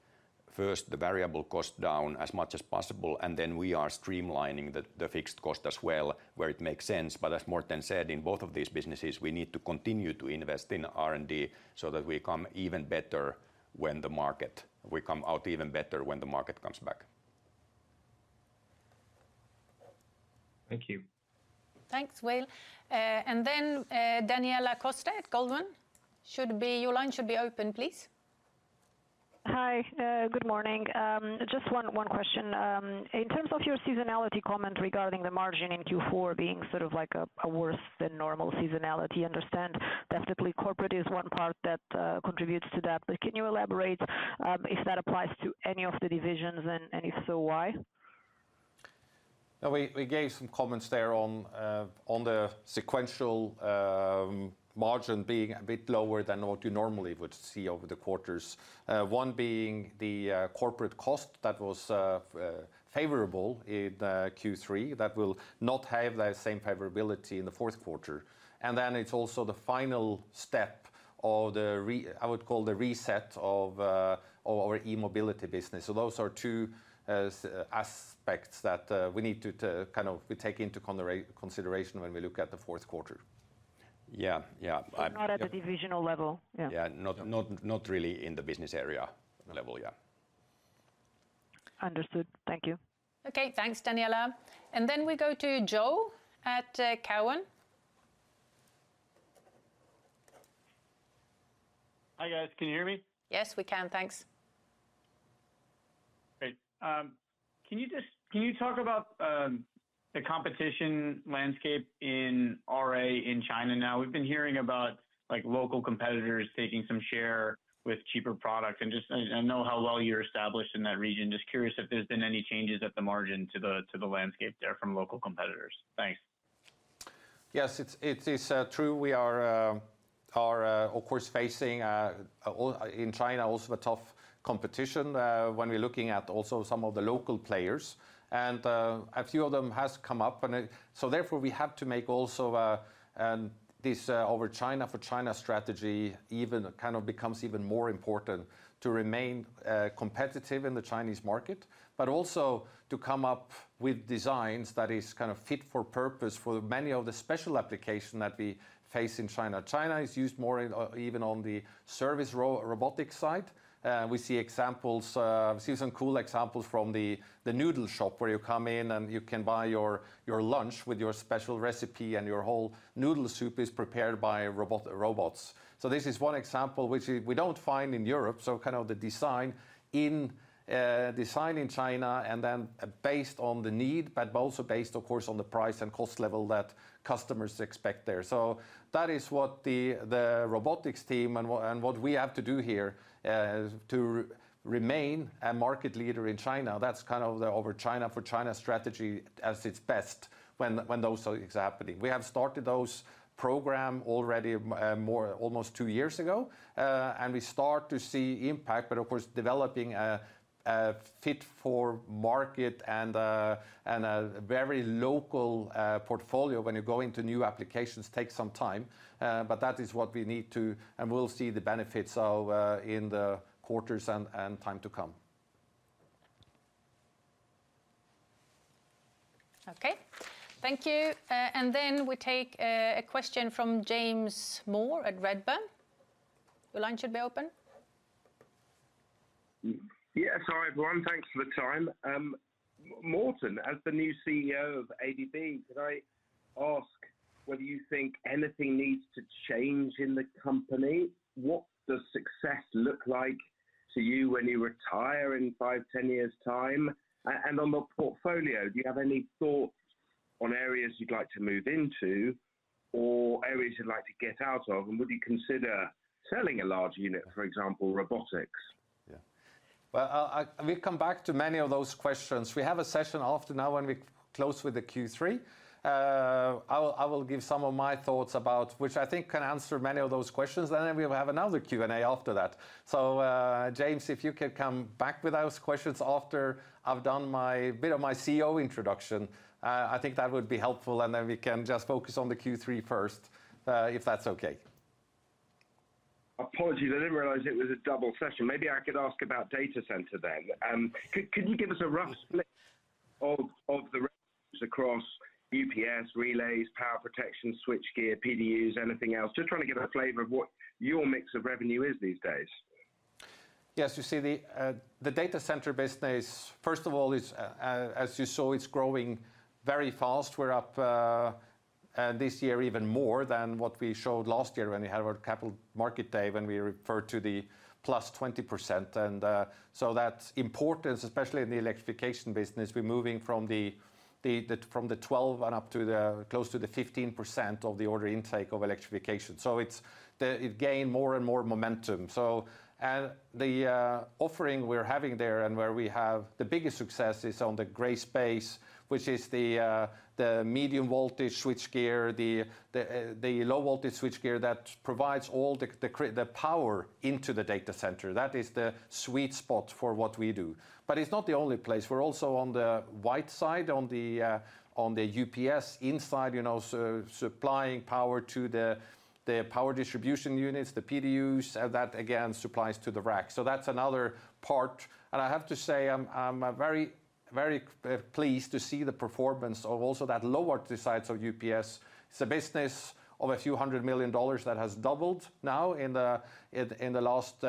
S3: first the variable cost down as much as possible, and then we are streamlining the fixed cost as well, where it makes sense. But as Morten said, in both of these businesses, we need to continue to invest in R&D so that we come even better when the market, we come out even better when the market comes back.
S7: Thank you.
S1: Thanks, Will. And then, Daniela Costa at Goldman, your line should be open, please.
S8: Hi, good morning. Just one question in terms of your seasonality comment regarding the margin in Q4 being sort of like a worse than normal seasonality. I understand that certainly corporate is one part that contributes to that. But can you elaborate if that applies to any of the divisions, and if so, why?
S2: We gave some comments there on the sequential margin being a bit lower than what you normally would see over the quarters. One being the corporate cost that was favorable in Q3, that will not have that same favorability in the fourth quarter. And then it's also the final step of the reset, I would call the reset of our E-mobility business. So those are two aspects that we need to kind of take into consideration when we look at the fourth quarter.
S3: Yeah, yeah, I-
S8: Not at the divisional level, yeah.
S3: Yeah. Not really in the business area level, yeah.
S8: Understood. Thank you.
S1: Okay, thanks, Daniela. And then we go to Joe at Cowen.
S9: Hi, guys. Can you hear me?
S1: Yes, we can. Thanks.
S9: Great. Can you talk about the competition landscape in RA in China now? We've been hearing about, like, local competitors taking some share with cheaper products, and just I know how well you're established in that region. Just curious if there's been any changes at the margin to the landscape there from local competitors. Thanks.
S2: Yes, it is true. We are of course facing also in China a tough competition when we're looking at also some of the local players. And a few of them has come up, and so therefore we have to make also this our China for China strategy even kind of becomes even more important to remain competitive in the Chinese market. But also to come up with designs that is kind of fit for purpose for many of the special application that we face in China. China is used more even on the service robotic side. We see examples, we see some cool examples from the noodle shop, where you come in, and you can buy your lunch with your special recipe, and your whole noodle soup is prepared by robots. So this is one example which we don't find in Europe, so kind of the design in designed in China, and then based on the need, but also based, of course, on the price and cost level that customers expect there. So that is what the Robotics team and what we have to do here to remain a market leader in China. That's kind of the our China for China strategy at its best when those things happening. We have started those program already more almost two years ago, and we start to see impact, but of course, developing a fit for market and a very local portfolio when you go into new applications takes some time. But that is what we need to... And we'll see the benefits of in the quarters and time to come.
S1: Okay. Thank you. And then we take a question from James Moore at Redburn. Your line should be open.
S10: Yeah, sorry, everyone. Thanks for the time. Morten, as the new CEO of ABB, could I ask whether you think anything needs to change in the company? What does success look like to you when you retire in five, 10 years' time? And on the portfolio, do you have any thoughts on areas you'd like to move into or areas you'd like to get out of, and would you consider selling a large unit, for example, Robotics?
S2: Yeah. Well, we've come back to many of those questions. We have a session after now when we close with the Q3. I'll give some of my thoughts about, which I think can answer many of those questions, and then we will have another Q&A after that. So, James, if you could come back with those questions after I've done my bit of my CEO introduction, I think that would be helpful, and then we can just focus on the Q3 first, if that's okay.
S10: Apologies, I didn't realize it was a double session. Maybe I could ask about data center then. Could you give us a rough split of the across UPS, relays, power protection, switchgear, PDUs, anything else? Just trying to get a flavor of what your mix of revenue is these days.
S2: Yes, you see, the data center business, first of all, is, as you saw, it's growing very fast. We're up this year, even more than what we showed last year when we had our capital market day, when we referred to the plus 20%. And so that's important, especially in the electrification business. We're moving from the 12 and up to close to the 15% of the order intake of electrification. So it gain more and more momentum. So, and the offering we're having there, and where we have the biggest success is on the gray space, which is the medium-voltage switchgear, the low-voltage switchgear that provides all the power into the data center. That is the sweet spot for what we do. But it's not the only place. We're also on the white space, on the UPS inside, you know, so supplying power to the power distribution units, the PDUs, that again supplies to the rack. So that's another part. I have to say, I'm very, very pleased to see the performance of also that low-voltage side of UPS. It's a business of a few hundred million dollars that has doubled now in the last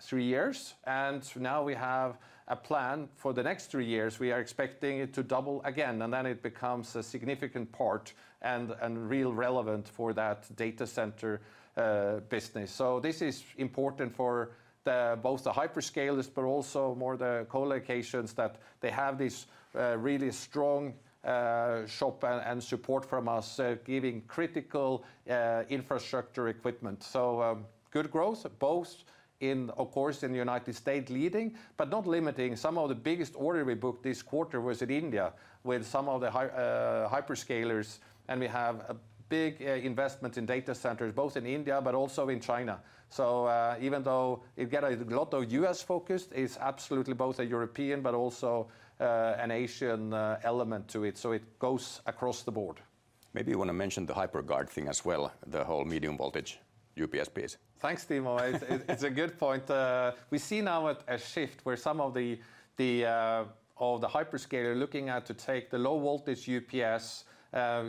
S2: three years, and now we have a plan for the next three years. We are expecting it to double again, and then it becomes a significant part and really relevant for that data center business. So this is important for both the hyperscalers, but also more the co-locations, that they have this really strong stock and support from us, giving critical infrastructure equipment. Good growth, both in, of course, in the United States leading, but not limiting. Some of the biggest order we booked this quarter was in India, with some of the hyperscalers, and we have a big investment in data centers, both in India but also in China. Even though it get a lot of U.S.-focused, it's absolutely both a European but also an Asian element to it. So it goes across the board.
S3: Maybe you want to mention the HiPerGuard thing as well, the whole medium-voltage UPS piece.
S2: Thanks, Timo. It's a good point. We see now a shift where some of the hyperscalers are looking at to take the low-voltage UPS,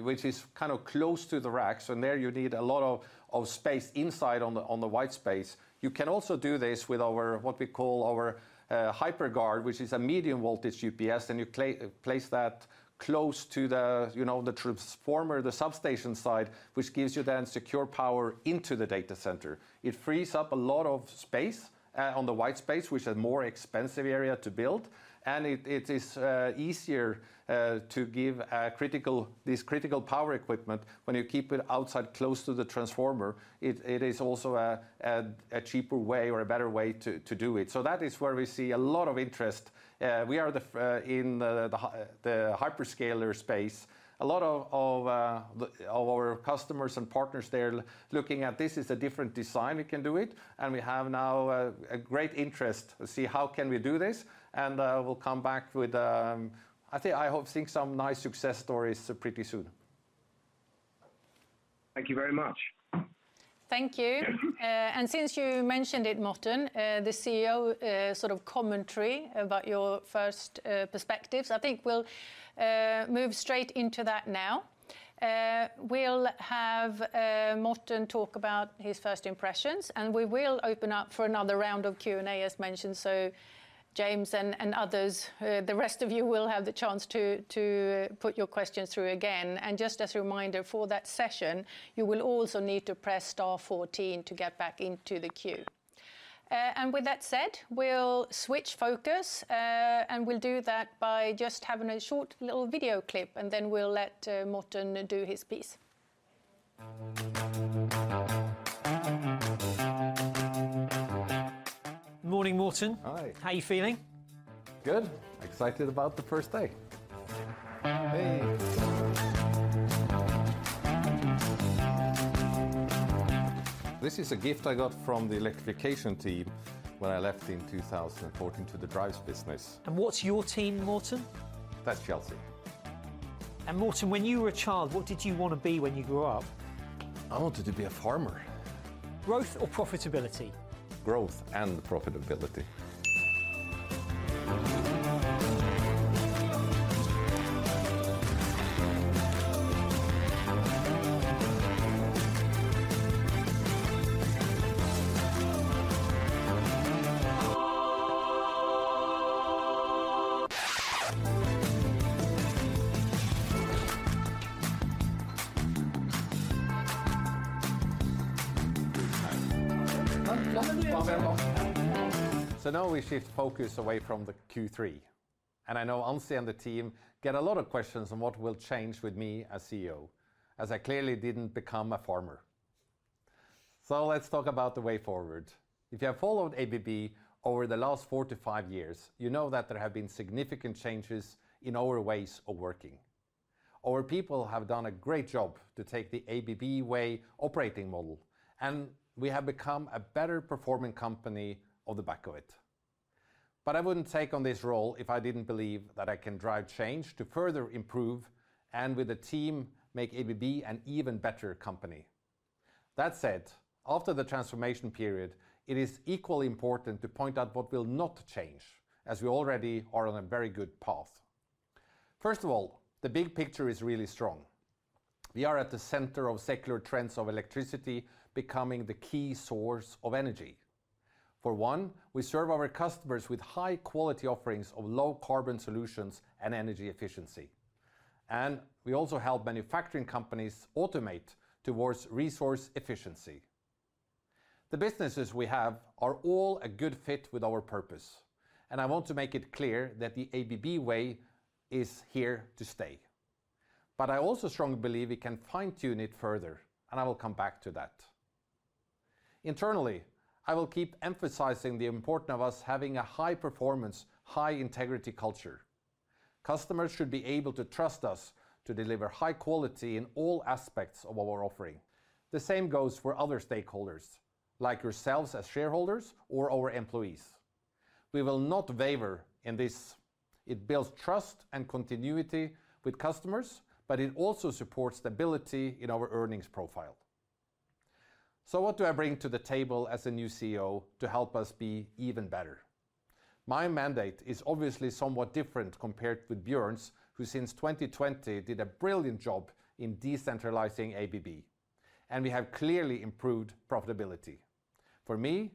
S2: which is kind of close to the rack, so there you need a lot of space inside on the white space. You can also do this with our, what we call our, HiPerGuard, which is a medium-voltage UPS, and you place that close to the, you know, the transformer, the substation side, which gives you then secure power into the data center. It frees up a lot of space on the white space, which is a more expensive area to build, and it is easier to give a critical, this critical power equipment. When you keep it outside, close to the transformer, it is also a cheaper way or a better way to do it. So that is where we see a lot of interest. We are the first in the hyperscaler space. A lot of our customers and partners there looking at this as a different design we can do it, and we have now a great interest to see how can we do this, and we'll come back with... I think, I hope to see some nice success stories pretty soon.
S10: Thank you very much.
S1: Thank you. And since you mentioned it, Morten, the CEO sort of commentary about your first perspectives, I think we'll move straight into that now. We'll have Morten talk about his first impressions, and we will open up for another round of Q&A, as mentioned. So James and others, the rest of you will have the chance to put your questions through again. And just as a reminder, for that session, you will also need to press star 14 to get back into the queue. And with that said, we'll switch focus, and we'll do that by just having a short little video clip, and then we'll let Morten do his piece. Morning, Morten. Hi. How are you feeling? Good. Excited about the first day. Hey! This is a gift I got from the electrification team when I left in 2014 to the drives business. What's your team, Morten? That's Chelsea. Morten, when you were a child, what did you want to be when you grew up? I wanted to be a farmer. Growth or profitability? Growth and profitability.
S2: Now we shift focus away from the Q3, and I know Ann-Sofie and the team get a lot of questions on what will change with me as CEO, as I clearly didn't become a farmer. Let's talk about the way forward. If you have followed ABB over the last four to five years, you know that there have been significant changes in our ways of working. Our people have done a great job to take the ABB Way operating model, and we have become a better-performing company on the back of it. But I wouldn't take on this role if I didn't believe that I can drive change to further improve, and with the team, make ABB an even better company. That said, after the transformation period, it is equally important to point out what will not change, as we already are on a very good path. First of all, the big picture is really strong. We are at the center of secular trends of electricity becoming the key source of energy. For one, we serve our customers with high-quality offerings of low-carbon solutions and energy efficiency, and we also help manufacturing companies automate towards resource efficiency. The businesses we have are all a good fit with our purpose, and I want to make it clear that the ABB Way is here to stay. But I also strongly believe we can fine-tune it further, and I will come back to that. Internally, I will keep emphasizing the importance of us having a high-performance, high-integrity culture. Customers should be able to trust us to deliver high quality in all aspects of our offering. The same goes for other stakeholders, like yourselves as shareholders or our employees. We will not waver in this. It builds trust and continuity with customers, but it also supports stability in our earnings profile. So what do I bring to the table as a new CEO to help us be even better? My mandate is obviously somewhat different compared with Björn's, who, since 2020, did a brilliant job in decentralizing ABB, and we have clearly improved profitability. For me,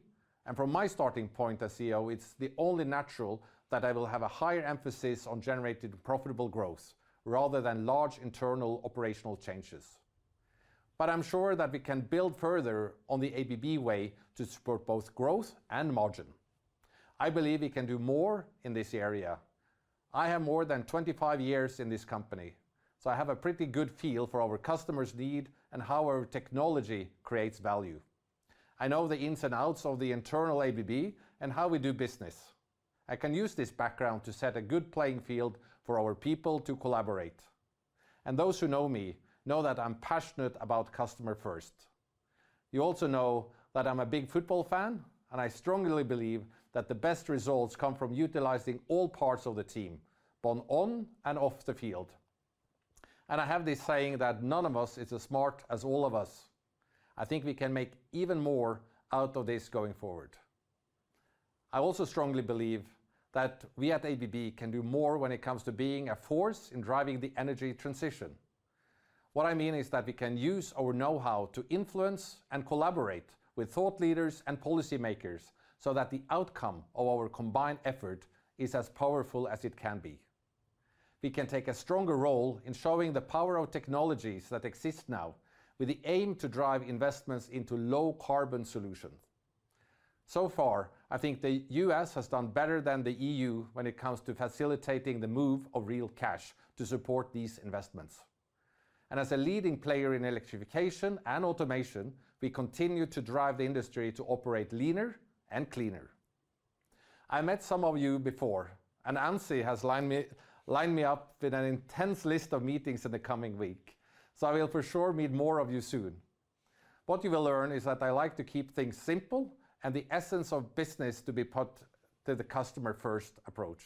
S2: and from my starting point as CEO, it's only natural that I will have a higher emphasis on generating profitable growth rather than large internal operational changes. But I'm sure that we can build further on the ABB Way to support both growth and margin. I believe we can do more in this area. I have more than 25 years in this company, so I have a pretty good feel for our customers' need and how our technology creates value. I know the ins and outs of the internal ABB and how we do business. I can use this background to set a good playing field for our people to collaborate. And those who know me know that I'm passionate about customer first. You also know that I'm a big football fan, and I strongly believe that the best results come from utilizing all parts of the team, both on and off the field. And I have this saying that none of us is as smart as all of us. I think we can make even more out of this going forward. I also strongly believe that we at ABB can do more when it comes to being a force in driving the energy transition. What I mean is that we can use our know-how to influence and collaborate with thought leaders and policymakers, so that the outcome of our combined effort is as powerful as it can be. We can take a stronger role in showing the power of technologies that exist now, with the aim to drive investments into low-carbon solutions. So far, I think the U.S. has done better than the E.U. when it comes to facilitating the move of real cash to support these investments. And as a leading player in electrification and automation, we continue to drive the industry to operate leaner and cleaner. I met some of you before, and Ann-Sofie has lined me up with an intense list of meetings in the coming week, so I will for sure meet more of you soon. What you will learn is that I like to keep things simple and the essence of business to be put to the customer-first approach.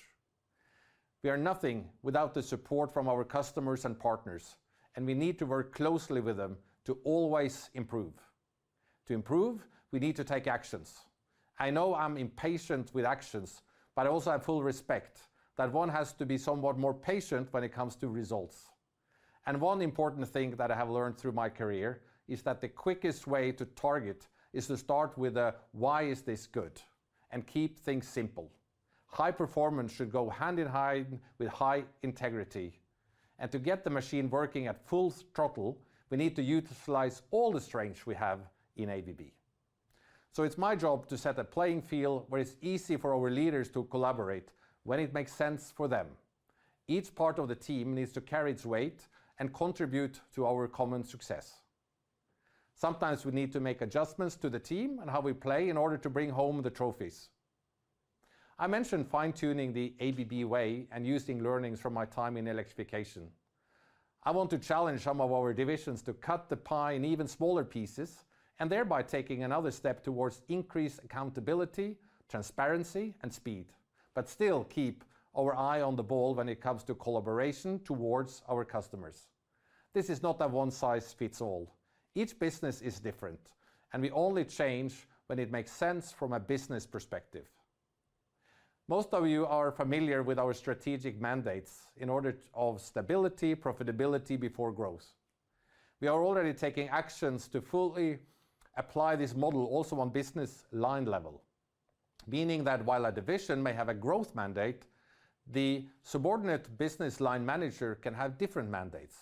S2: We are nothing without the support from our customers and partners, and we need to work closely with them to always improve. To improve, we need to take actions. I know I'm impatient with actions, but I also have full respect that one has to be somewhat more patient when it comes to results. One important thing that I have learned through my career is that the quickest way to target is to start with a "Why is this good?" and keep things simple. High performance should go hand in hand with high integrity. And to get the machine working at full throttle, we need to utilize all the strengths we have in ABB. So it's my job to set a playing field where it's easy for our leaders to collaborate when it makes sense for them. Each part of the team needs to carry its weight and contribute to our common success. Sometimes we need to make adjustments to the team and how we play in order to bring home the trophies. I mentioned fine-tuning the ABB Way and using learnings from my time in Electrification. I want to challenge some of our divisions to cut the pie in even smaller pieces, and thereby taking another step towards increased accountability, transparency, and speed, but still keep our eye on the ball when it comes to collaboration towards our customers. This is not a one-size-fits-all. Each business is different, and we only change when it makes sense from a business perspective. Most of you are familiar with our strategic mandates in order of stability, profitability before growth. We are already taking actions to fully apply this model also on business line level, meaning that while a division may have a growth mandate, the subordinate business line manager can have different mandates.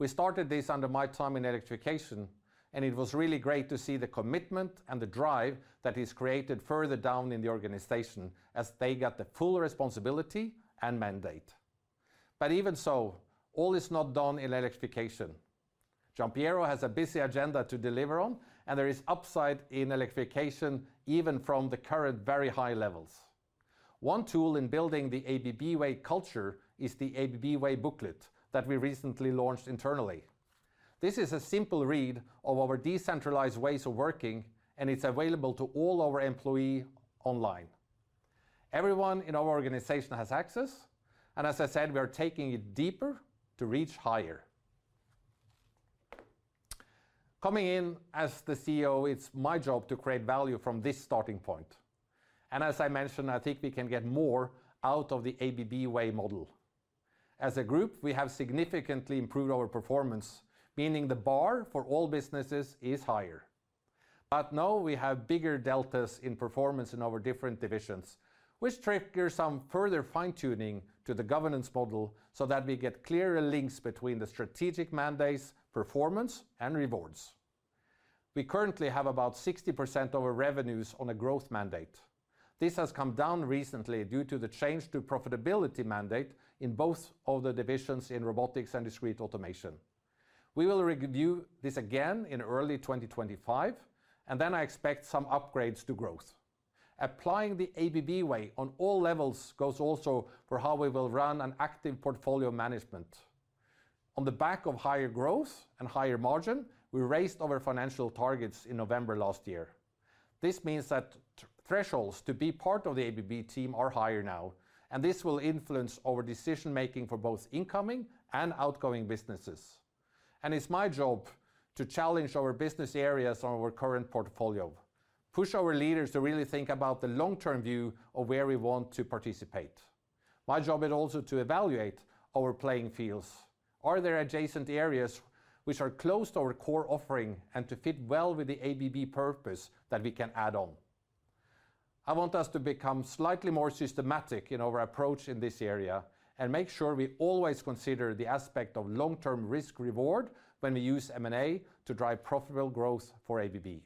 S2: We started this under my time in Electrification, and it was really great to see the commitment and the drive that is created further down in the organization as they got the full responsibility and mandate. But even so, all is not done in Electrification. Giampiero has a busy agenda to deliver on, and there is upside in Electrification, even from the current very high levels. One tool in building the ABB Way culture is the ABB Way booklet that we recently launched internally. This is a simple read of our decentralized ways of working, and it's available to all our employees online. Everyone in our organization has access, and as I said, we are taking it deeper to reach higher. Coming in as the CEO, it's my job to create value from this starting point, and as I mentioned, I think we can get more out of the ABB Way model. As a group, we have significantly improved our performance, meaning the bar for all businesses is higher. But now we have bigger deltas in performance in our different divisions, which trigger some further fine-tuning to the governance model so that we get clearer links between the strategic mandates, performance, and rewards. We currently have about 60% of our revenues on a growth mandate. This has come down recently due to the change to profitability mandate in both of the divisions in Robotics and Discrete Automation. We will review this again in early 2025, and then I expect some upgrades to growth. Applying the ABB Way on all levels goes also for how we will run an active portfolio management. On the back of higher growth and higher margin, we raised our financial targets in November last year. This means that thresholds to be part of the ABB team are higher now, and this will influence our decision-making for both incoming and outgoing businesses, and it's my job to challenge our business areas on our current portfolio, push our leaders to really think about the long-term view of where we want to participate. My job is also to evaluate our playing fields. Are there adjacent areas which are close to our core offering and to fit well with the ABB purpose that we can add on? I want us to become slightly more systematic in our approach in this area and make sure we always consider the aspect of long-term risk reward when we use M&A to drive profitable growth for ABB.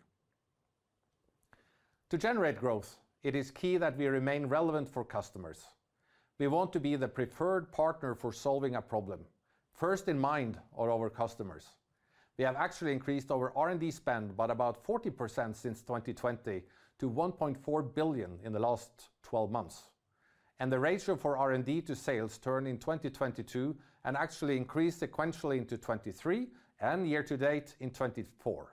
S2: To generate growth, it is key that we remain relevant for customers. We want to be the preferred partner for solving a problem, first in mind on our customers. We have actually increased our R&D spend by about 40% since 2020, to $1.4 billion in the last twelve months, and the ratio for R&D to sales turned in 2022 and actually increased sequentially into 2023 and year-to-date in 2024.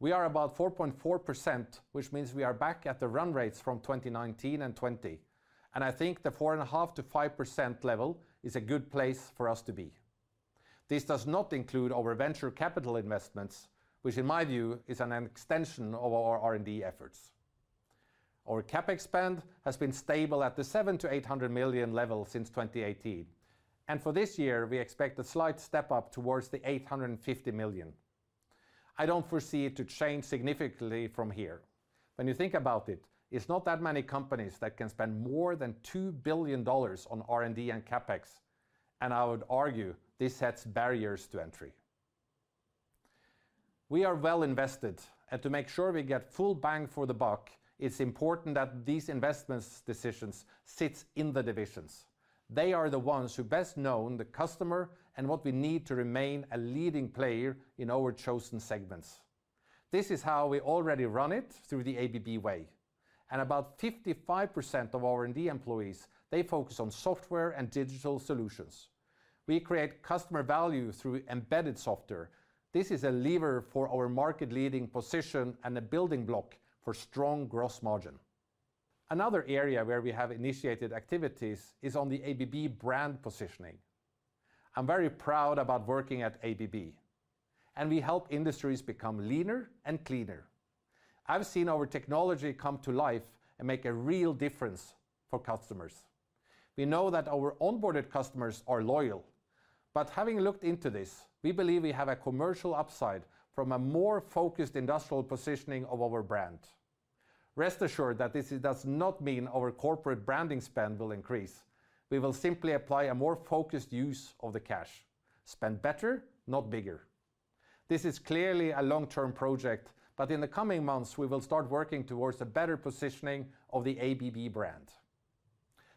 S2: We are about 4.4%, which means we are back at the run rates from 2019 and 2020, and I think the 4.5%-5% level is a good place for us to be. This does not include our venture capital investments, which in my view, is an extension of our R&D efforts. Our CapEx spend has been stable at the $700 million-$800 million level since 2018, and for this year, we expect a slight step up towards the $850 million. I don't foresee it to change significantly from here. When you think about it, it's not that many companies that can spend more than $2 billion on R&D and CapEx, and I would argue this sets barriers to entry. We are well invested, and to make sure we get full bang for the buck, it's important that these investment decisions sits in the divisions. They are the ones who best know the customer and what we need to remain a leading player in our chosen segments. This is how we already run it through the ABB Way. And about 55% of R&D employees, they focus on software and digital solutions. We create customer value through embedded software. This is a lever for our market leading position and a building block for strong gross margin. Another area where we have initiated activities is on the ABB brand positioning. I'm very proud about working at ABB, and we help industries become leaner and cleaner. I've seen our technology come to life and make a real difference for customers. We know that our onboarded customers are loyal, but having looked into this, we believe we have a commercial upside from a more focused industrial positioning of our brand. Rest assured that this does not mean our corporate branding spend will increase. We will simply apply a more focused use of the cash. Spend better, not bigger. This is clearly a long-term project, but in the coming months, we will start working towards a better positioning of the ABB brand.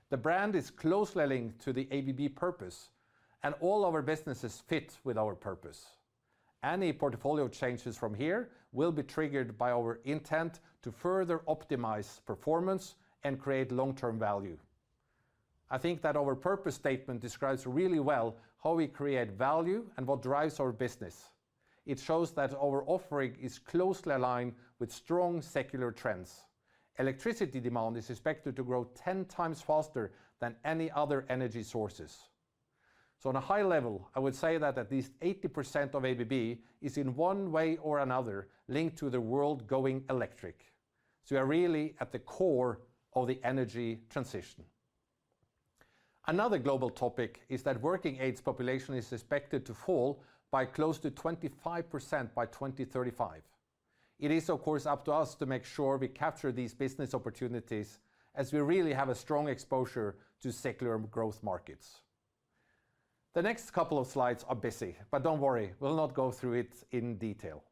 S2: The brand is closely linked to the ABB purpose, and all our businesses fit with our purpose. Any portfolio changes from here will be triggered by our intent to further optimize performance and create long-term value. I think that our purpose statement describes really well how we create value and what drives our business. It shows that our offering is closely aligned with strong secular trends. Electricity demand is expected to grow ten times faster than any other energy sources. So on a high level, I would say that at least 80% of ABB is, in one way or another, linked to the world going electric. So we are really at the core of the energy transition. Another global topic is that working-age population is suspected to fall by close to 25% by 2035. It is, of course, up to us to make sure we capture these business opportunities, as we really have a strong exposure to secular growth markets. The next couple of slides are busy, but don't worry, we'll not go through it in detail.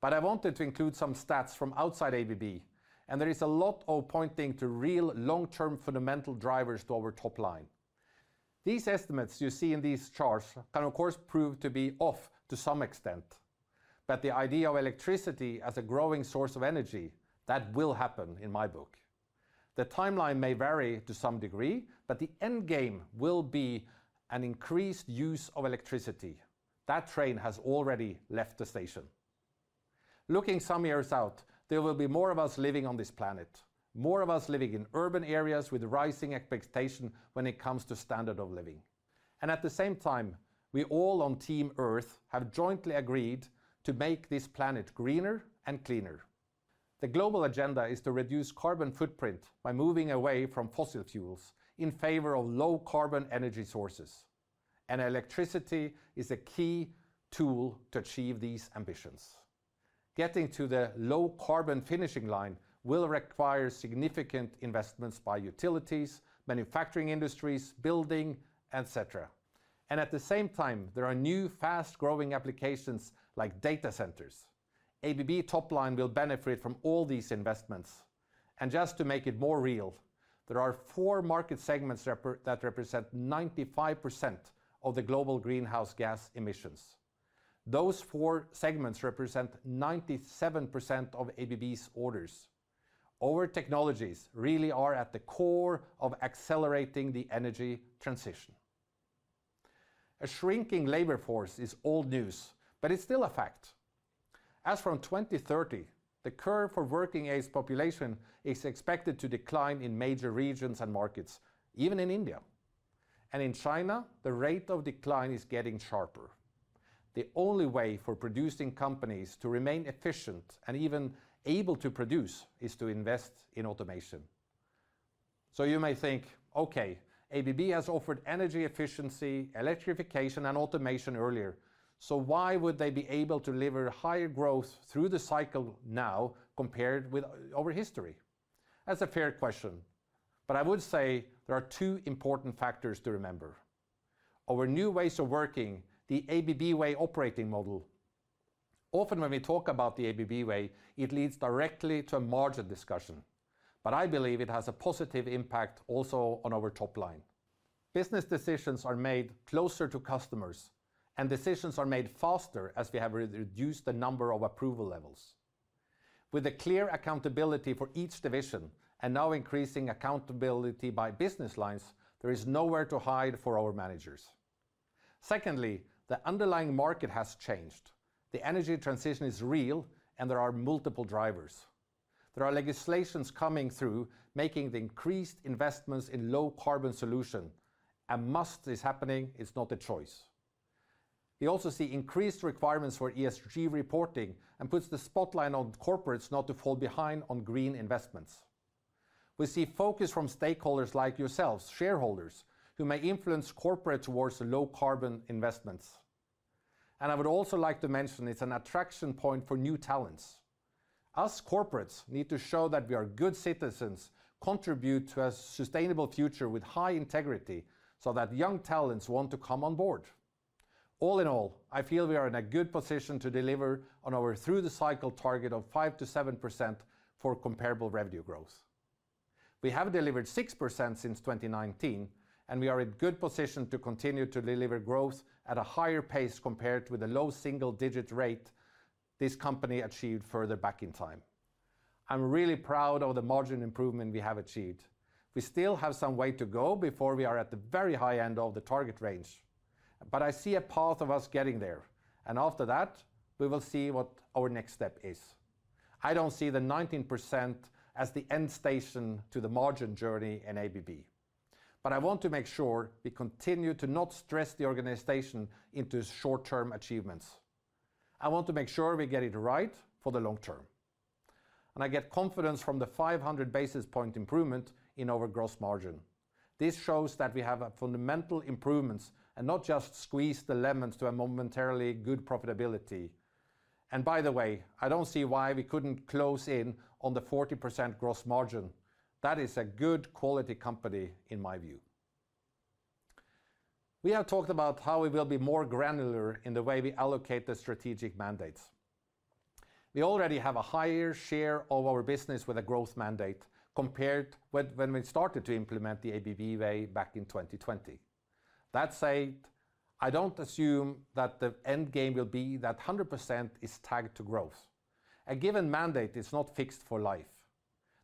S2: But I wanted to include some stats from outside ABB, and there is a lot all pointing to real long-term fundamental drivers to our top line. These estimates you see in these charts can, of course, prove to be off to some extent, but the idea of electricity as a growing source of energy, that will happen, in my book. The timeline may vary to some degree, but the end game will be an increased use of electricity. That train has already left the station. Looking some years out, there will be more of us living on this planet, more of us living in urban areas with rising expectation when it comes to standard of living. And at the same time, we all on Team Earth have jointly agreed to make this planet greener and cleaner. The global agenda is to reduce carbon footprint by moving away from fossil fuels in favor of low-carbon energy sources, and electricity is a key tool to achieve these ambitions. Getting to the low-carbon finishing line will require significant investments by utilities, manufacturing industries, building, et cetera. And at the same time, there are new, fast-growing applications, like data centers. ABB top line will benefit from all these investments. And just to make it more real, there are four market segments that represent 95% of the global greenhouse gas emissions. Those four segments represent 97% of ABB's orders. Our technologies really are at the core of accelerating the energy transition. A shrinking labor force is old news, but it's still a fact. As from 2030, the curve for working-age population is expected to decline in major regions and markets, even in India. And in China, the rate of decline is getting sharper. The only way for producing companies to remain efficient and even able to produce is to invest in automation. So you may think, "Okay, ABB has offered energy efficiency, electrification, and automation earlier, so why would they be able to deliver higher growth through the cycle now compared with, our history?" That's a fair question, but I would say there are two important factors to remember. Our new ways of working, the ABB Way operating model. Often, when we talk about the ABB Way, it leads directly to a margin discussion, but I believe it has a positive impact also on our top line. Business decisions are made closer to customers, and decisions are made faster, as we have reduced the number of approval levels. With a clear accountability for each division, and now increasing accountability by business lines, there is nowhere to hide for our managers. Secondly, the underlying market has changed. The energy transition is real, and there are multiple drivers. There is legislation coming through, making the increased investments in low-carbon solution. A must is happening, it's not a choice. We also see increased requirements for ESG reporting, and puts the spotlight on corporates not to fall behind on green investments. We see focus from stakeholders like yourselves, shareholders, who may influence corporate towards low-carbon investments, and I would also like to mention, it's an attraction point for new talents. Us corporates need to show that we are good citizens, contribute to a sustainable future with high integrity, so that young talents want to come on board. All in all, I feel we are in a good position to deliver on our through-the-cycle target of 5%-7% for comparable revenue growth. We have delivered 6% since 2019, and we are in good position to continue to deliver growth at a higher pace compared with the low single-digit rate this company achieved further back in time. I'm really proud of the margin improvement we have achieved. We still have some way to go before we are at the very high end of the target range, but I see a path of us getting there, and after that, we will see what our next step is. I don't see the 19% as the end station to the margin journey in ABB, but I want to make sure we continue to not stress the organization into short-term achievements. I want to make sure we get it right for the long term, and I get confidence from the 500 basis points improvement in our gross margin. This shows that we have fundamental improvements, and not just squeeze the lemons to a momentarily good profitability, and by the way, I don't see why we couldn't close in on the 40% gross margin. That is a good quality company, in my view. We have talked about how we will be more granular in the way we allocate the strategic mandates. We already have a higher share of our business with a growth mandate, compared when we started to implement the ABB Way back in 2020. That said, I don't assume that the end game will be that 100% is tagged to growth. A given mandate is not fixed for life.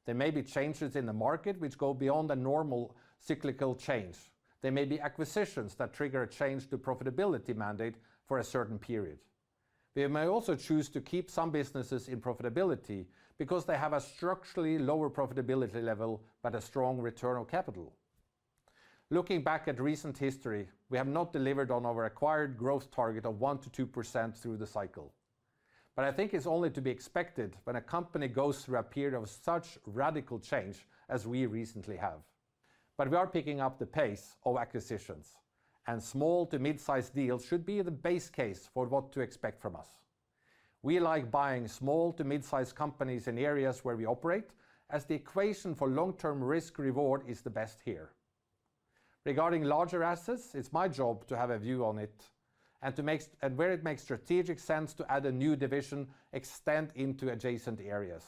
S2: There may be changes in the market, which go beyond the normal cyclical change. There may be acquisitions that trigger a change to profitability mandate for a certain period. We may also choose to keep some businesses in profitability because they have a structurally lower profitability level, but a strong return on capital. Looking back at recent history, we have not delivered on our acquired growth target of 1%-2% through the cycle, but I think it's only to be expected when a company goes through a period of such radical change as we recently have, but we are picking up the pace of acquisitions, and small to mid-sized deals should be the base case for what to expect from us. We like buying small to mid-sized companies in areas where we operate, as the equation for long-term risk reward is the best here. Regarding larger assets, it's my job to have a view on it and to make, and where it makes strategic sense to add a new division, extend into adjacent areas.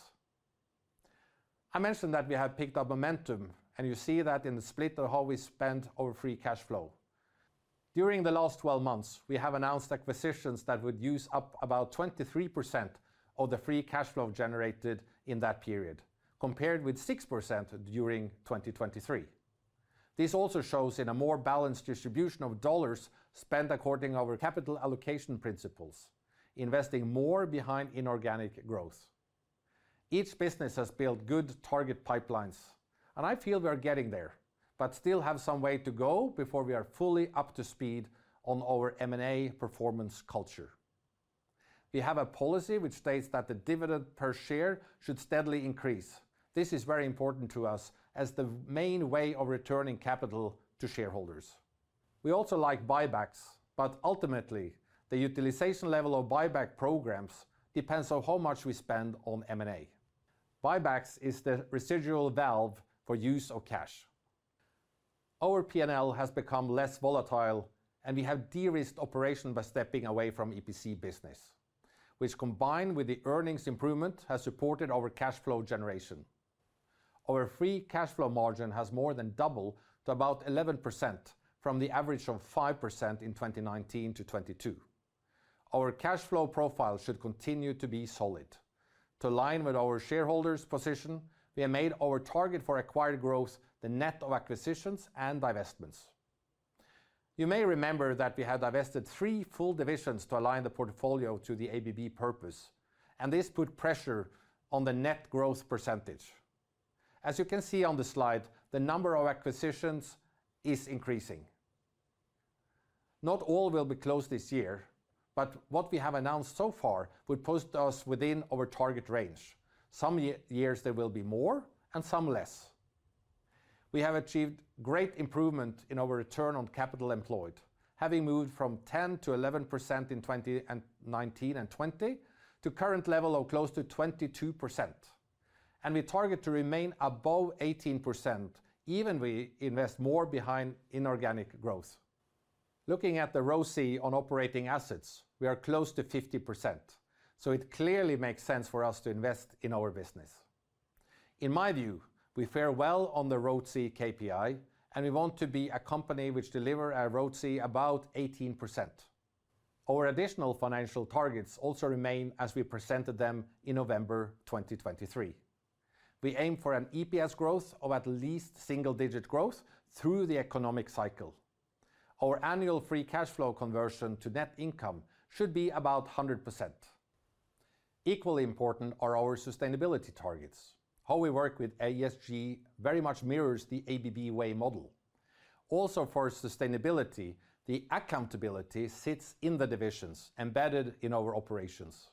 S2: I mentioned that we have picked up momentum, and you see that in the split of how we spent our free cash flow. During the last 12 months, we have announced acquisitions that would use up about 23% of the free cash flow generated in that period, compared with 6% during 2023. This also shows in a more balanced distribution of dollars spent according to our capital allocation principles, investing more behind inorganic growth. Each business has built good target pipelines, and I feel we are getting there, but still have some way to go before we are fully up to speed on our M&A performance culture. We have a policy which states that the dividend per share should steadily increase. This is very important to us as the main way of returning capital to shareholders. We also like buybacks, but ultimately, the utilization level of buyback programs depends on how much we spend on M&A. Buybacks is the residual valve for use of cash. Our P&L has become less volatile, and we have de-risked operation by stepping away from EPC business, which, combined with the earnings improvement, has supported our cash flow generation. Our free cash flow margin has more than doubled to about 11%, from the average of 5% in 2019 to 2022. Our cash flow profile should continue to be solid. To align with our shareholders' position, we have made our target for acquired growth, the net of acquisitions and divestments. You may remember that we had divested three full divisions to align the portfolio to the ABB purpose, and this put pressure on the net growth percentage. As you can see on the slide, the number of acquisitions is increasing. Not all will be closed this year, but what we have announced so far would post us within our target range. Some years there will be more and some less. We have achieved great improvement in our return on capital employed, having moved from 10% to 11% in 2019 and 2020, to current level of close to 22%, and we target to remain above 18%, even we invest more behind inorganic growth. Looking at the ROCE on operating assets, we are close to 50%, so it clearly makes sense for us to invest in our business. In my view, we fare well on the ROCE KPI, and we want to be a company which deliver a ROCE about 18%. Our additional financial targets also remain as we presented them in November 2023. We aim for an EPS growth of at least single-digit growth through the economic cycle. Our annual free cash flow conversion to net income should be about 100%. Equally important are our sustainability targets. How we work with ESG very much mirrors the ABB Way model. Also, for sustainability, the accountability sits in the divisions, embedded in our operations.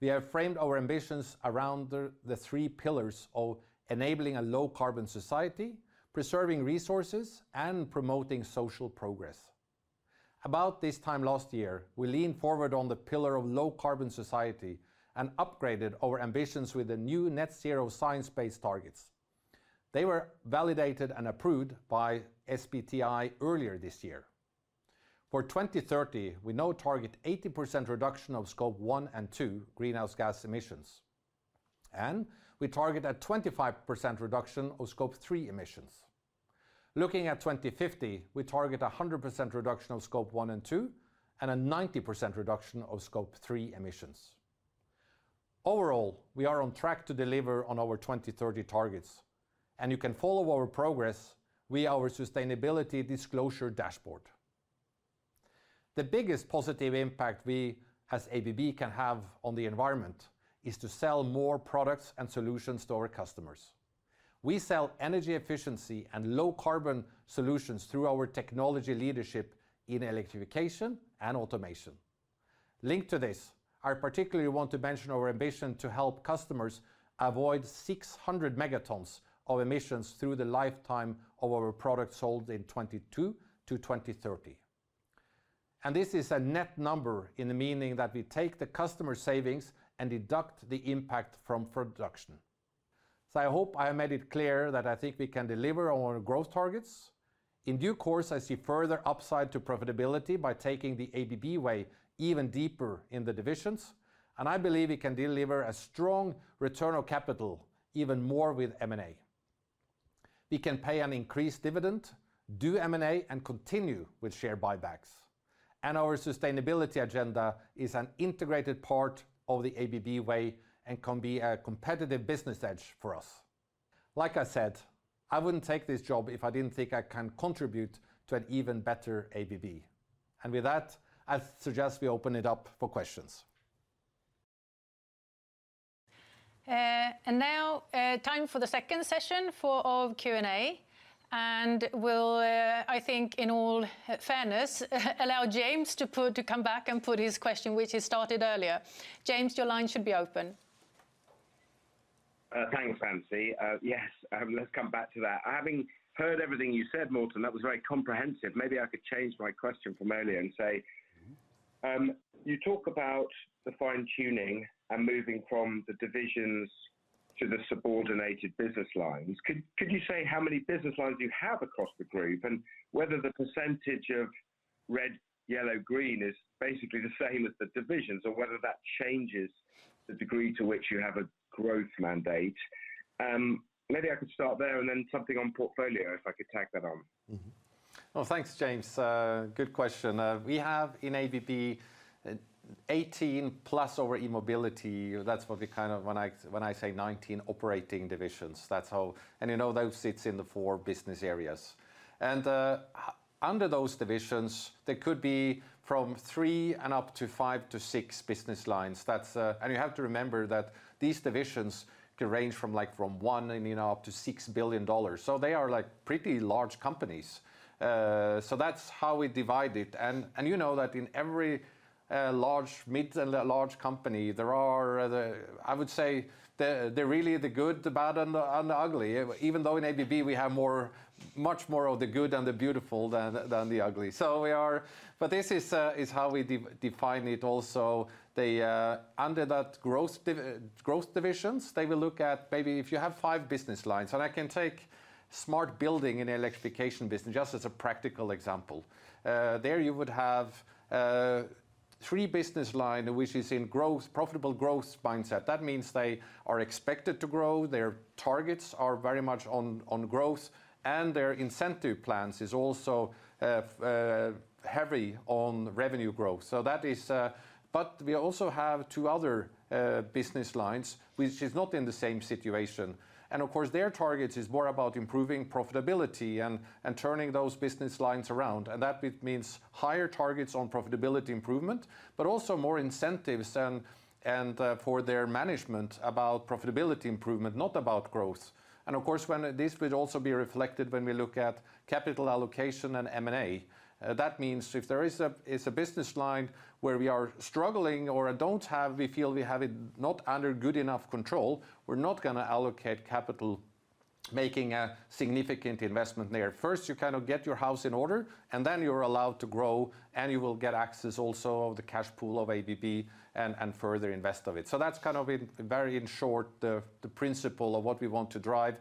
S2: We have framed our ambitions around the three pillars of enabling a low-carbon society, preserving resources, and promoting social progress. About this time last year, we leaned forward on the pillar of low-carbon society and upgraded our ambitions with the new net zero science-based targets. They were validated and approved by SBTi earlier this year. For 2030, we now target 80% reduction of Scope 1 and 2 greenhouse gas emissions, and we target a 25% reduction of Scope 3 emissions. Looking at 2050, we target 100% reduction of Scope 1 and 2, and a 90% reduction of Scope 3 emissions. Overall, we are on track to deliver on our 2030 targets, and you can follow our progress via our sustainability disclosure dashboard. The biggest positive impact we, as ABB, can have on the environment is to sell more products and solutions to our customers. We sell energy efficiency and low-carbon solutions through our technology leadership in electrification and automation.... Linked to this, I particularly want to mention our ambition to help customers avoid 600 megatons of emissions through the lifetime of our products sold in 2022 to 2030. This is a net number, in the meaning that we take the customer savings and deduct the impact from production. So I hope I have made it clear that I think we can deliver on our growth targets. In due course, I see further upside to profitability by taking the ABB Way even deeper in the divisions, and I believe we can deliver a strong return on capital, even more with M&A. We can pay an increased dividend, do M&A, and continue with share buybacks. Our sustainability agenda is an integrated part of the ABB Way and can be a competitive business edge for us. Like I said, I wouldn't take this job if I didn't think I can contribute to an even better ABB. With that, I suggest we open it up for questions.
S1: Now, time for the second session for our Q&A. We'll, I think, in all fairness, allow James to come back and put his question, which he started earlier. James, your line should be open.
S10: Thanks, Ann-Sofie. Yes, let's come back to that. Having heard everything you said, Morten, that was very comprehensive, maybe I could change my question from earlier and say. You talk about the fine-tuning and moving from the divisions to the subordinated business lines. Could you say how many business lines you have across the group, and whether the percentage of red, yellow, green is basically the same as the divisions, or whether that changes the degree to which you have a growth mandate? Maybe I could start there and then something on portfolio, if I could tag that on.
S2: Thanks, James. Good question. We have in ABB 18, plus our E-mobility, that's what we kind of... When I say 19 operating divisions, that's how, and, you know, those sits in the four business areas. And, under those divisions, there could be from 3 and up to 5 to 6 business lines. That's, And you have to remember that these divisions can range from, like, from one and, you know, up to $6 billion, so they are, like, pretty large companies. So that's how we divide it. And, and you know that in every large, mid and large company, there are the, I would say, the, the really, the good, the bad and the, and the ugly. Even though in ABB we have more, much more of the good and the beautiful than the, than the ugly. So we are. But this is how we define it also. The under that growth divisions, they will look at maybe if you have five business lines, and I can take Smart Building and electrification business, just as a practical example. There you would have three business line, which is in growth, profitable growth mindset. That means they are expected to grow, their targets are very much on growth, and their incentive plans is also heavy on revenue growth. So that is. But we also have two other business lines, which is not in the same situation. And of course, their targets is more about improving profitability and turning those business lines around. And that means higher targets on profitability improvement, but also more incentives and for their management about profitability improvement, not about growth. And of course, when this will also be reflected when we look at capital allocation and M&A. That means if there is a business line where we are struggling or don't have, we feel we have it not under good enough control, we're not gonna allocate capital, making a significant investment there. First, you kind of get your house in order, and then you're allowed to grow, and you will get access also of the cash pool of ABB and further invest of it. So that's kind of, very in short, the principle of what we want to drive.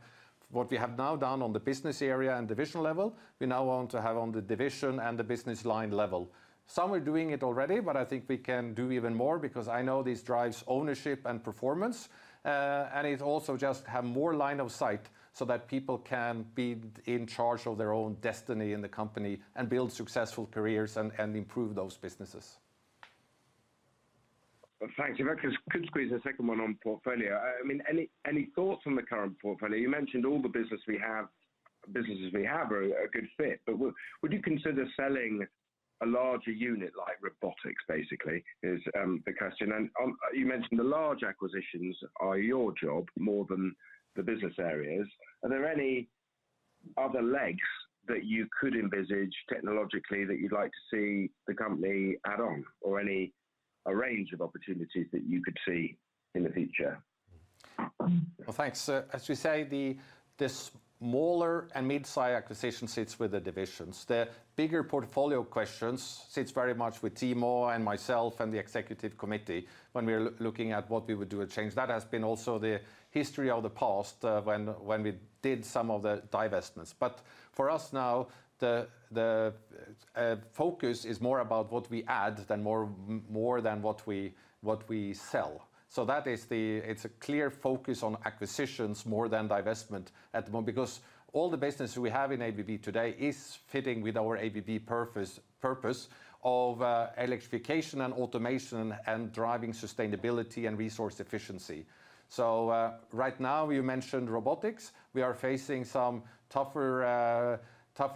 S2: What we have now done on the business area and divisional level, we now want to have on the division and the business line level. Some are doing it already, but I think we can do even more because I know this drives ownership and performance, and it also just have more line of sight so that people can be in charge of their own destiny in the company and build successful careers and improve those businesses.
S10: Thank you. If I could squeeze a second one on portfolio. I mean, any thoughts on the current portfolio? You mentioned all the businesses we have are a good fit, but would you consider selling a larger unit like Robotics, basically the question. And you mentioned the large acquisitions are your job more than the business areas. Are there any other legs that you could envisage technologically that you'd like to see the company add on, or a range of opportunities that you could see in the future?
S2: Thanks. As we say, the smaller and midsize acquisitions sit with the divisions. The bigger portfolio questions sit very much with Timo and myself and the executive committee when we're looking at what we would do a change. That has been also the history of the past, when we did some of the divestments. But for us now, the focus is more about what we add than more than what we sell. So that is it's a clear focus on acquisitions more than divestment at the moment, because all the business we have in ABB today is fitting with our ABB purpose of electrification and automation and driving sustainability and resource efficiency. So right now, you mentioned Robotics. We are facing some tougher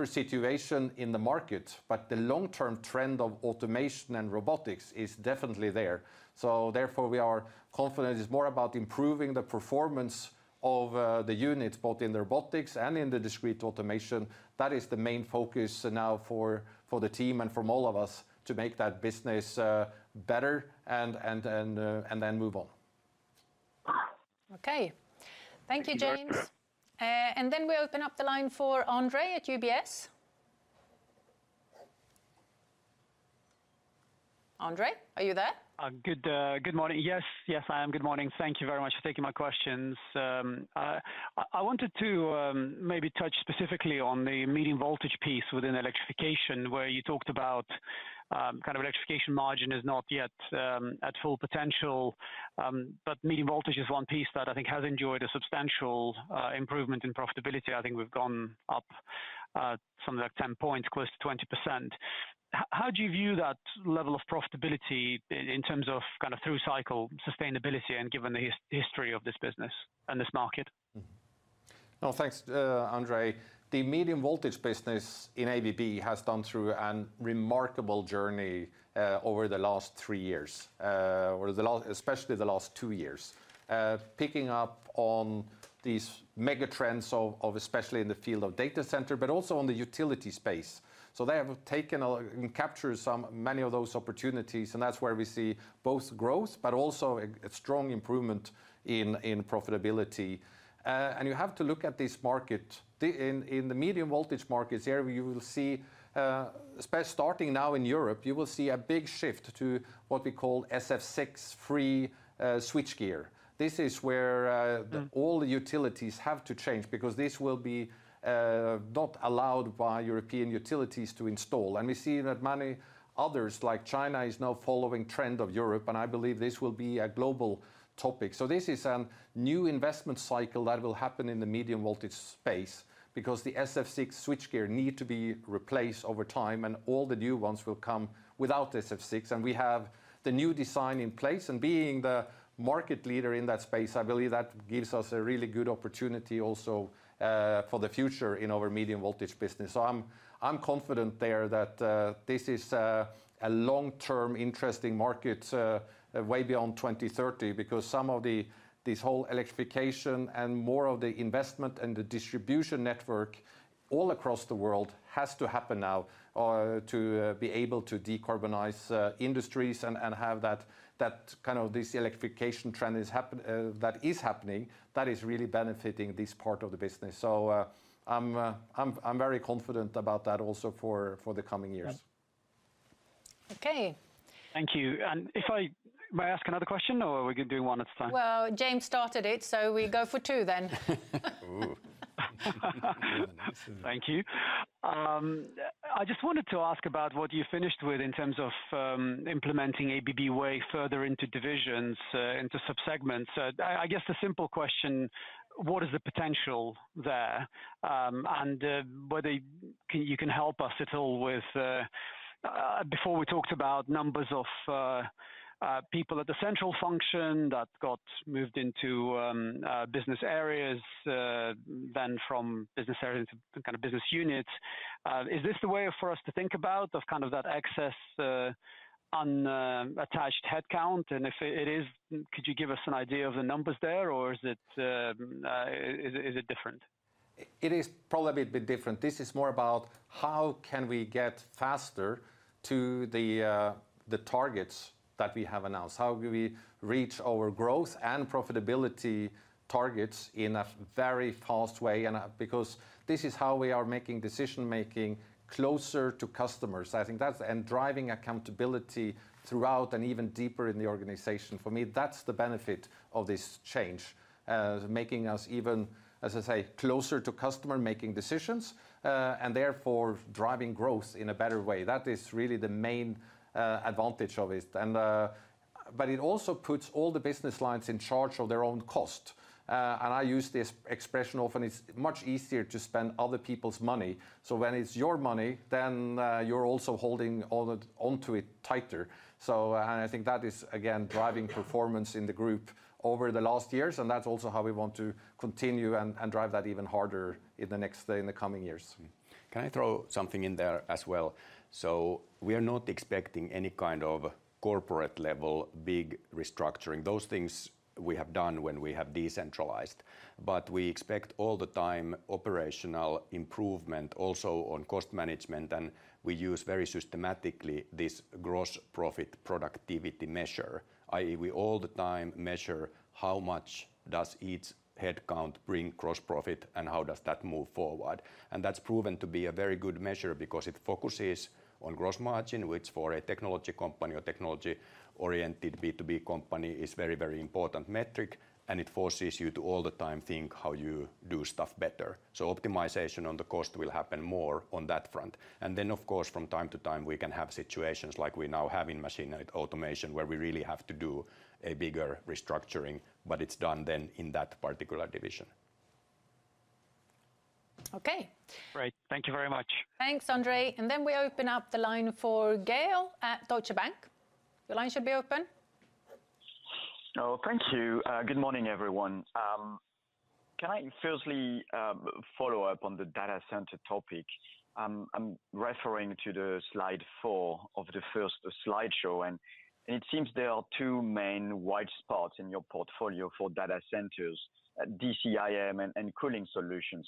S2: situation in the market, but the long-term trend of automation and Robotics is definitely there. So therefore, we are confident it's more about improving the performance of the units, both in Robotics and in the Discrete Automation. That is the main focus now for the team and from all of us to make that business better and then move on.
S1: Okay. Thank you, James. And then we open up the line for Andre at UBS. Andre, are you there?
S11: Good morning. Yes, yes, I am. Good morning. Thank you very much for taking my questions. I wanted to maybe touch specifically on the medium voltage piece within electrification, where you talked about kind of electrification margin is not yet at full potential. But medium voltage is one piece that I think has enjoyed a substantial improvement in profitability. I think we've gone up something like 10 points, close to 20%. How do you view that level of profitability in terms of kind of through-cycle sustainability and given the history of this business and this market?
S2: Thanks, Andre. The medium voltage business in ABB has gone through a remarkable journey over the last three years, especially the last two years. Picking up on these mega trends of especially in the field of data center, but also on the utility space. So they have taken and captured many of those opportunities, and that's where we see both growth but also a strong improvement in profitability. And you have to look at this market. In the medium voltage markets area, you will see starting now in Europe a big shift to what we call SF6-free switchgear. This is where all the utilities have to change because this will be not allowed by European utilities to install. We see that many others, like China, is now following trend of Europe, and I believe this will be a global topic. This is a new investment cycle that will happen in the medium voltage space because the SF6 switchgear need to be replaced over time, and all the new ones will come without SF6. We have the new design in place, and being the market leader in that space, I believe that gives us a really good opportunity also for the future in our medium voltage business. I'm confident there that this is a long-term interesting market way beyond 2030. Because some of the, this whole electrification and more of the investment and the distribution network all across the world has to happen now, to be able to decarbonize industries and have that kind of this electrification trend is happening, that is really benefiting this part of the business. So, I'm very confident about that also for the coming years.
S1: Okay.
S11: Thank you, and may I ask another question, or we can do one at a time?
S1: James started it, so we go for two then.
S2: Ooh.
S11: Thank you. I just wanted to ask about what you finished with in terms of implementing ABB Way further into divisions into sub-segments. I guess the simple question, what is the potential there? Whether you can help us at all with before we talked about numbers of people at the central function that got moved into business areas, then from business areas into kind of business units. Is this the way for us to think about of kind of that excess unattached headcount? And if it is, could you give us an idea of the numbers there, or is it different?
S2: It is probably a bit different. This is more about how can we get faster to the, the targets that we have announced? How do we reach our growth and profitability targets in a very fast way? And, because this is how we are making decision-making closer to customers. I think that's... And driving accountability throughout and even deeper in the organization. For me, that's the benefit of this change, making us even, as I say, closer to customer, making decisions, and therefore driving growth in a better way. That is really the main advantage of it. And, but it also puts all the business lines in charge of their own cost. And I use this expression often, it's much easier to spend other people's money. So when it's your money, then, you're also holding on it, onto it tighter. And I think that is, again, driving performance in the group over the last years, and that's also how we want to continue and drive that even harder in the next, in the coming years.
S3: Can I throw something in there as well, so we are not expecting any kind of corporate-level, big restructuring. Those things we have done when we have decentralized, but we expect all the time operational improvement also on cost management, and we use very systematically this gross profit productivity measure, i.e., we all the time measure how much does each headcount bring gross profit and how does that move forward, and that's proven to be a very good measure because it focuses on gross margin, which for a technology company or technology-oriented B2B company, is very, very important metric, and it forces you to all the time think how you do stuff better, so optimization on the cost will happen more on that front. Then, of course, from time to time, we can have situations like we now have in Machine Automation, where we really have to do a bigger restructuring, but it's done then in that particular division.
S1: Okay.
S11: Great. Thank you very much.
S1: Thanks, Andre, and then we open up the line for Gael at Deutsche Bank. The line should be open.
S12: Oh, thank you. Good morning, everyone. Can I firstly follow up on the data center topic? I'm referring to slide four of the first slideshow, and it seems there are two main white spaces in your portfolio for data centers, DCIM and cooling solutions.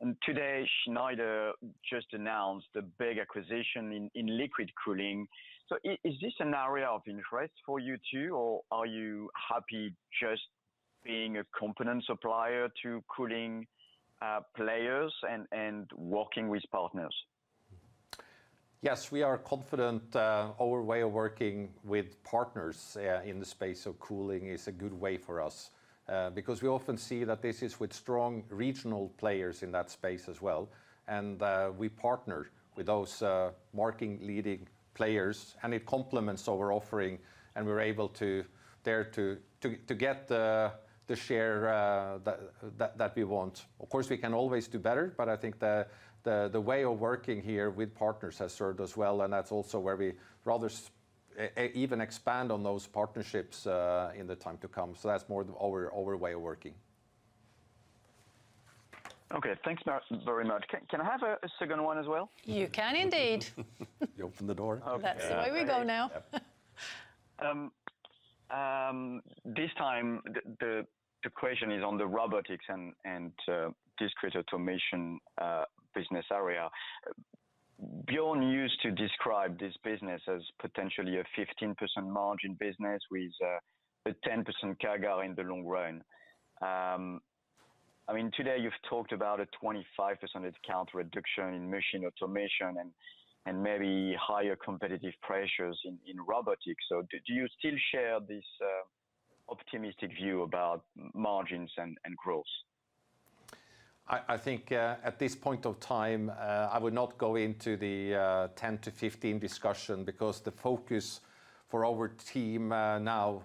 S12: And today, Schneider just announced a big acquisition in liquid cooling. So is this an area of interest for you, too, or are you happy just being a component supplier to cooling players and working with partners?
S2: Yes, we are confident, our way of working with partners in the space of cooling is a good way for us. Because we often see that this is with strong regional players in that space as well, and we partner with those market-leading players, and it complements our offering, and we're able to there to get the share that we want. Of course, we can always do better, but I think the way of working here with partners has served us well, and that's also where we rather even expand on those partnerships in the time to come. So that's more our way of working.
S12: Okay, thanks very much. Can I have a second one as well?
S1: You can indeed.
S3: You open the door.
S1: That's the way we go now.
S12: This time the question is on the Robotics and Discrete Automation business area. Björn used to describe this business as potentially a 15% margin business with a 10% CAGR in the long run. I mean, today you've talked about a 25% discount reduction in Machine Automation and maybe higher competitive pressures in Robotics. So do you still share this optimistic view about margins and growth?
S2: I think at this point of time I would not go into the ten to fifteen discussion because the focus for our team now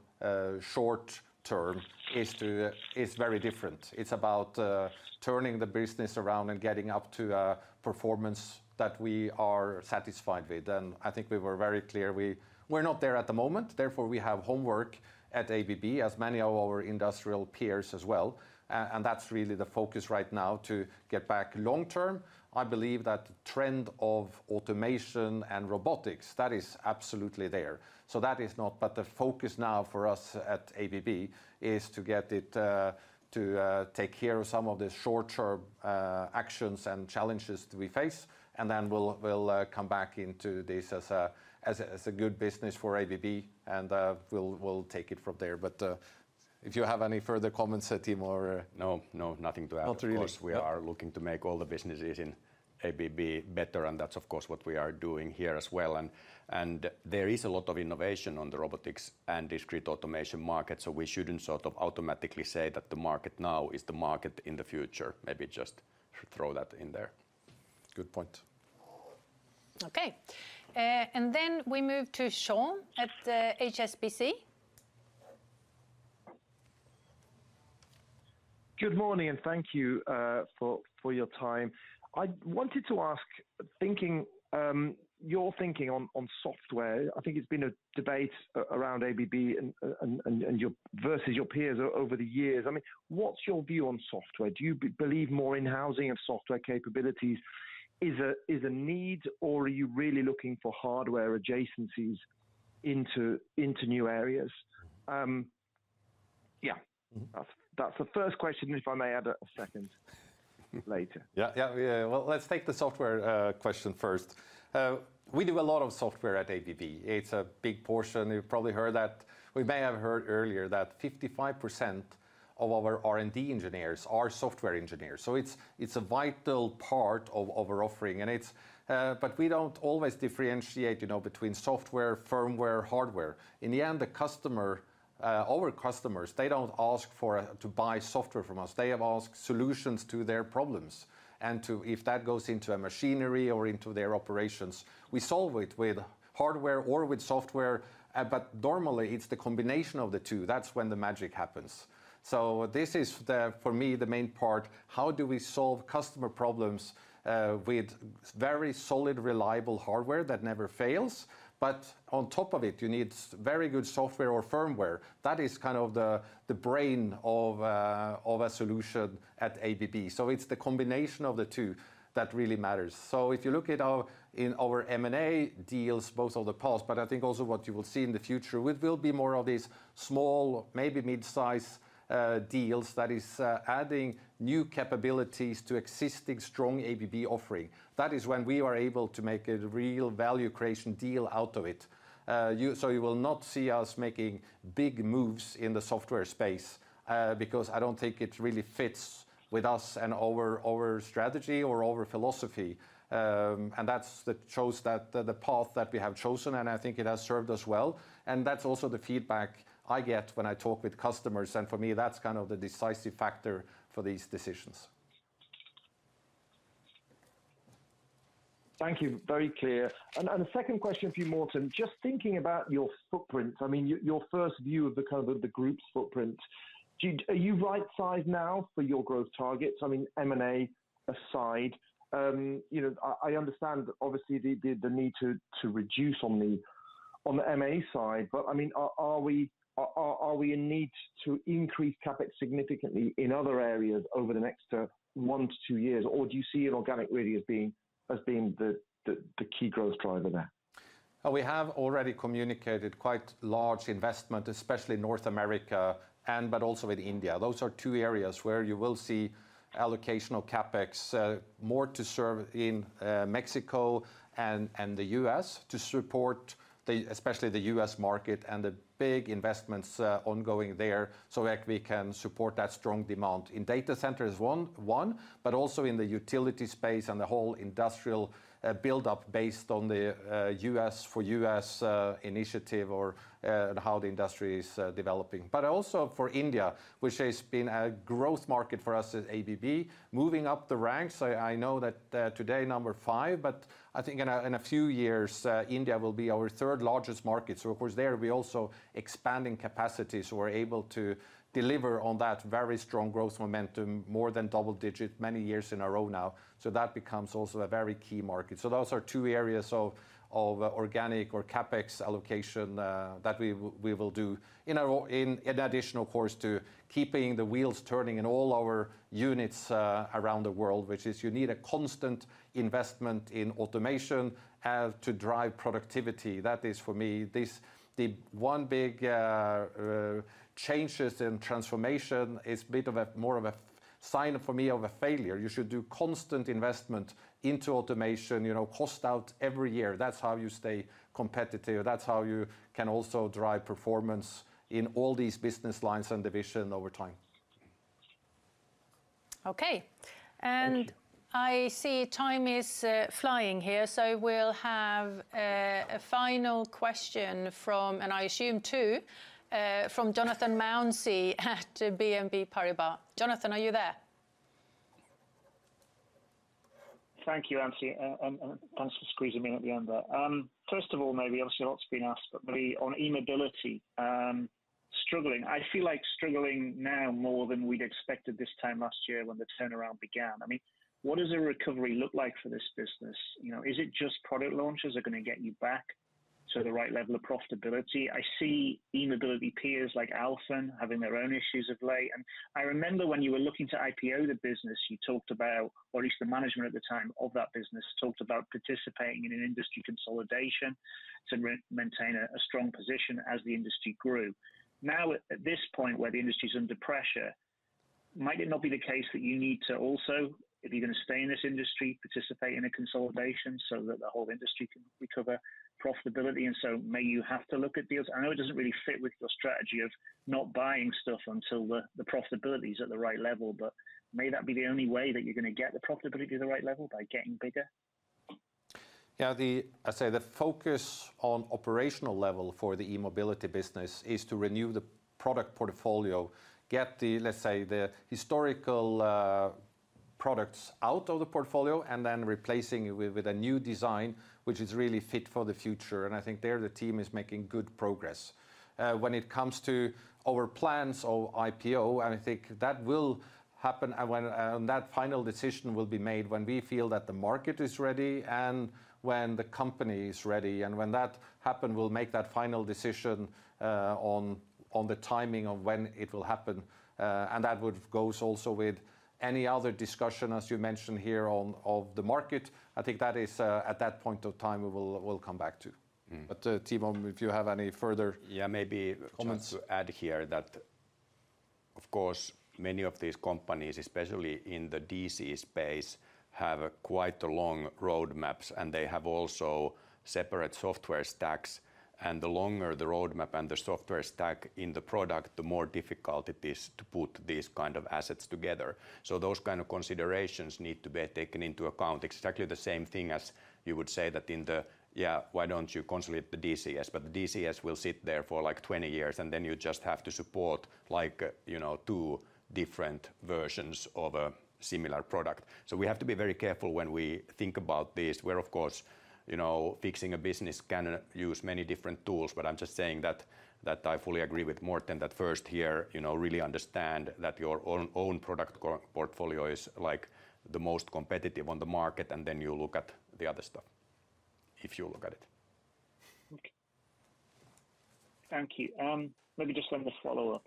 S2: short term is very different. It's about turning the business around and getting up to a performance that we are satisfied with. I think we were very clear. We're not there at the moment, therefore, we have homework at ABB, as many of our industrial peers as well. That's really the focus right now to get back. Long term, I believe that trend of automation and Robotics that is absolutely there. So that is not, but the focus now for us at ABB is to get it to take care of some of the short-term actions and challenges that we face, and then we'll come back into this as a good business for ABB, and we'll take it from there. But if you have any further comments, Tim, or
S3: No, no, nothing to add.
S2: Not really.
S3: Of course, we are looking to make all the businesses in ABB better, and that's of course what we are doing here as well. And there is a lot of innovation on the Robotics and Discrete Automation market, so we shouldn't sort of automatically say that the market now is the market in the future. Maybe just throw that in there.
S2: Good point.
S1: Okay, and then we move to Sean at HSBC.
S13: Good morning, and thank you for your time. I wanted to ask, thinking your thinking on software. I think it's been a debate around ABB and your versus your peers over the years. I mean, what's your view on software? Do you believe more in-housing of software capabilities is a need, or are you really looking for hardware adjacencies into new areas? Yeah, that's the first question, if I may add a second later.
S2: Yeah, yeah. Well, let's take the software question first. We do a lot of software at ABB. It's a big portion. You've probably heard that. We may have heard earlier that 55% of our R&D engineers are software engineers, so it's a vital part of our offering, and it's. But we don't always differentiate, you know, between software, firmware, hardware. In the end, the customer, our customers, they don't ask for, to buy software from us. They have asked solutions to their problems, and to, if that goes into a machinery or into their operations, we solve it with hardware or with software, but normally it's the combination of the two. That's when the magic happens. So this is the, for me, the main part, how do we solve customer problems, with very solid, reliable hardware that never fails? But on top of it, you need very good software or firmware. That is kind of the brain of a solution at ABB. So it's the combination of the two that really matters. So if you look at in our M&A deals, both of the past, but I think also what you will see in the future, it will be more of these small, maybe mid-size, deals that is adding new capabilities to existing strong ABB offering. That is when we are able to make a real value creation deal out of it. So you will not see us making big moves in the software space, because I don't think it really fits with us and our strategy or our philosophy. And that shows that the path that we have chosen, and I think it has served us well, and that's also the feedback I get when I talk with customers, and for me, that's kind of the decisive factor for these decisions.
S13: Thank you. Very clear. And the second question for you, Morten, just thinking about your footprint, I mean, your first view of the kind of the group's footprint. Are you right size now for your growth targets? I mean, M&A aside, you know, I understand obviously the need to reduce on the M&A side, but I mean, are we in need to increase CapEx significantly in other areas over the next one to two years? Or do you see it organic really as being the key growth driver there?
S2: We have already communicated quite large investment, especially in North America and but also with India. Those are two areas where you will see allocational CapEx more to serve in Mexico and the U.S. to support the especially the U.S. market and the big investments ongoing there, so that we can support that strong demand. In data centers is one but also in the utility space and the whole industrial build-up based on the U.S. for U.S. initiative or and how the industry is developing. But also for India, which has been a growth market for us at ABB, moving up the ranks. I know that today number five, but I think in a few years India will be our third largest market. So of course there we're also expanding capacity, so we're able to deliver on that very strong growth momentum, more than double-digit many years in a row now, so that becomes also a very key market. So those are two areas of organic or CapEx allocation that we will do in addition to keeping the wheels turning in all our units around the world, which is you need a constant investment in automation to drive productivity. That is for me, this the one big change in transformation is a bit more of a sign for me of a failure. You should do constant investment into automation, you know, cost out every year. That's how you stay competitive. That's how you can also drive performance in all these business lines and division over time.
S1: Okay.
S2: Thank you.
S1: I see time is flying here, so we'll have a final question from, and I assume two, from Jonathan Mounsey at BNP Paribas. Jonathan, are you there?
S14: Thank you, Ann-Sofie, and thanks for squeezing me in at the end there. First of all, maybe obviously a lot's been asked, but maybe on E-mobility, I feel like struggling now more than we'd expected this time last year when the turnaround began. I mean, what does a recovery look like for this business? You know, is it just product launches are going to get you back to the right level of profitability? I see E-mobility peers like Alfen having their own issues of late, and I remember when you were looking to IPO the business, you talked about, or at least the management at the time of that business, talked about participating in an industry consolidation to re-maintain a strong position as the industry grew. Now, at this point, where the industry is under pressure, might it not be the case that you need to also, if you're going to stay in this industry, participate in a consolidation so that the whole industry can recover profitability, and so may you have to look at deals? I know it doesn't really fit with your strategy of not buying stuff until the profitability is at the right level, but may that be the only way that you're going to get the profitability to the right level, by getting bigger?
S2: Yeah, I'd say the focus on operational level for the E-mobility business is to renew the product portfolio, get the, let's say, the historical products out of the portfolio, and then replacing it with a new design, which is really fit for the future. And I think there, the team is making good progress. When it comes to our plans of IPO, and I think that will happen, and when that final decision will be made when we feel that the market is ready and when the company is ready. And when that happen, we'll make that final decision on the timing of when it will happen. And that would goes also with any other discussion, as you mentioned here, on the market. I think that is at that point of time, we'll come back to. But, Timo, if you have any further-
S3: Yeah, maybe-
S2: Comments
S3: Just to add here that of course, many of these companies, especially in the DC space, have quite a long roadmaps, and they have also separate software stacks, and the longer the roadmap and the software stack in the product, the more difficult it is to put these kind of assets together. So those kind of considerations need to be taken into account, exactly the same thing as you would say that in the, "Yeah, why don't you consolidate the DCS?" But the DCS will sit there for like 20 years, and then you just have to support like, you know, two different versions of a similar product. So we have to be very careful when we think about this, where, of course, you know, fixing a business can use many different tools. But I'm just saying that I fully agree with Morten, that first here, you know, really understand that your own product portfolio is like the most competitive on the market, and then you look at the other stuff, if you look at it.
S14: Okay. Thank you. Maybe just let me follow up.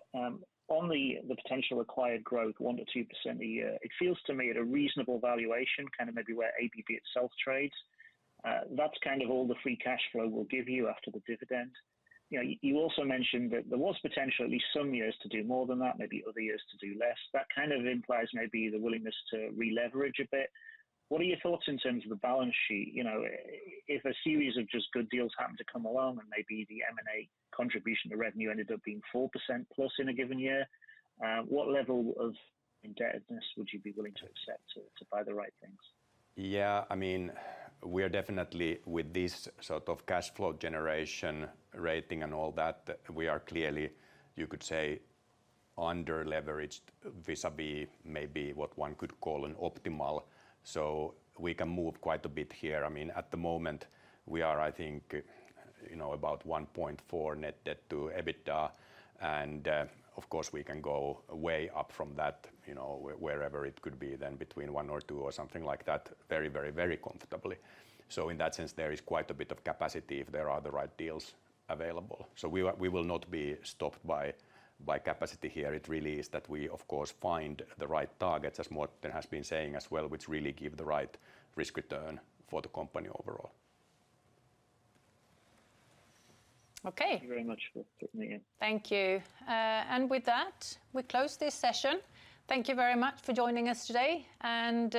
S14: On the potential acquired growth, 1%-2% a year, it feels to me at a reasonable valuation, kind of maybe where ABB itself trades. That's kind of all the free cash flow will give you after the dividend. You know, you also mentioned that there was potentially at least some years to do more than that, maybe other years to do less. That kind of implies maybe the willingness to re-leverage a bit. What are your thoughts in terms of the balance sheet? You know, if a series of just good deals happen to come along and maybe the M&A contribution to revenue ended up being 4%+ in a given year, what level of indebtedness would you be willing to accept to buy the right things?
S3: Yeah, I mean, we are definitely with this sort of cash flow generation rating and all that, we are clearly, you could say, underleveraged vis-à-vis maybe what one could call an optimal, so we can move quite a bit here. I mean, at the moment, we are, I think, you know, about 1.4 net debt-to-EBITDA, and, of course, we can go way up from that, you know, wherever it could be, then between one or two or something like that, very, very, very comfortably. So in that sense, there is quite a bit of capacity if there are the right deals available. So we will not be stopped by capacity here. It really is that we, of course, find the right targets, as Morten has been saying as well, which really give the right risk return for the company overall.
S1: Okay.
S14: Thank you very much for fitting me in.
S1: Thank you, and with that, we close this session. Thank you very much for joining us today, and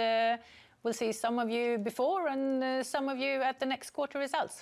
S1: we'll see some of you before and some of you at the next quarter results.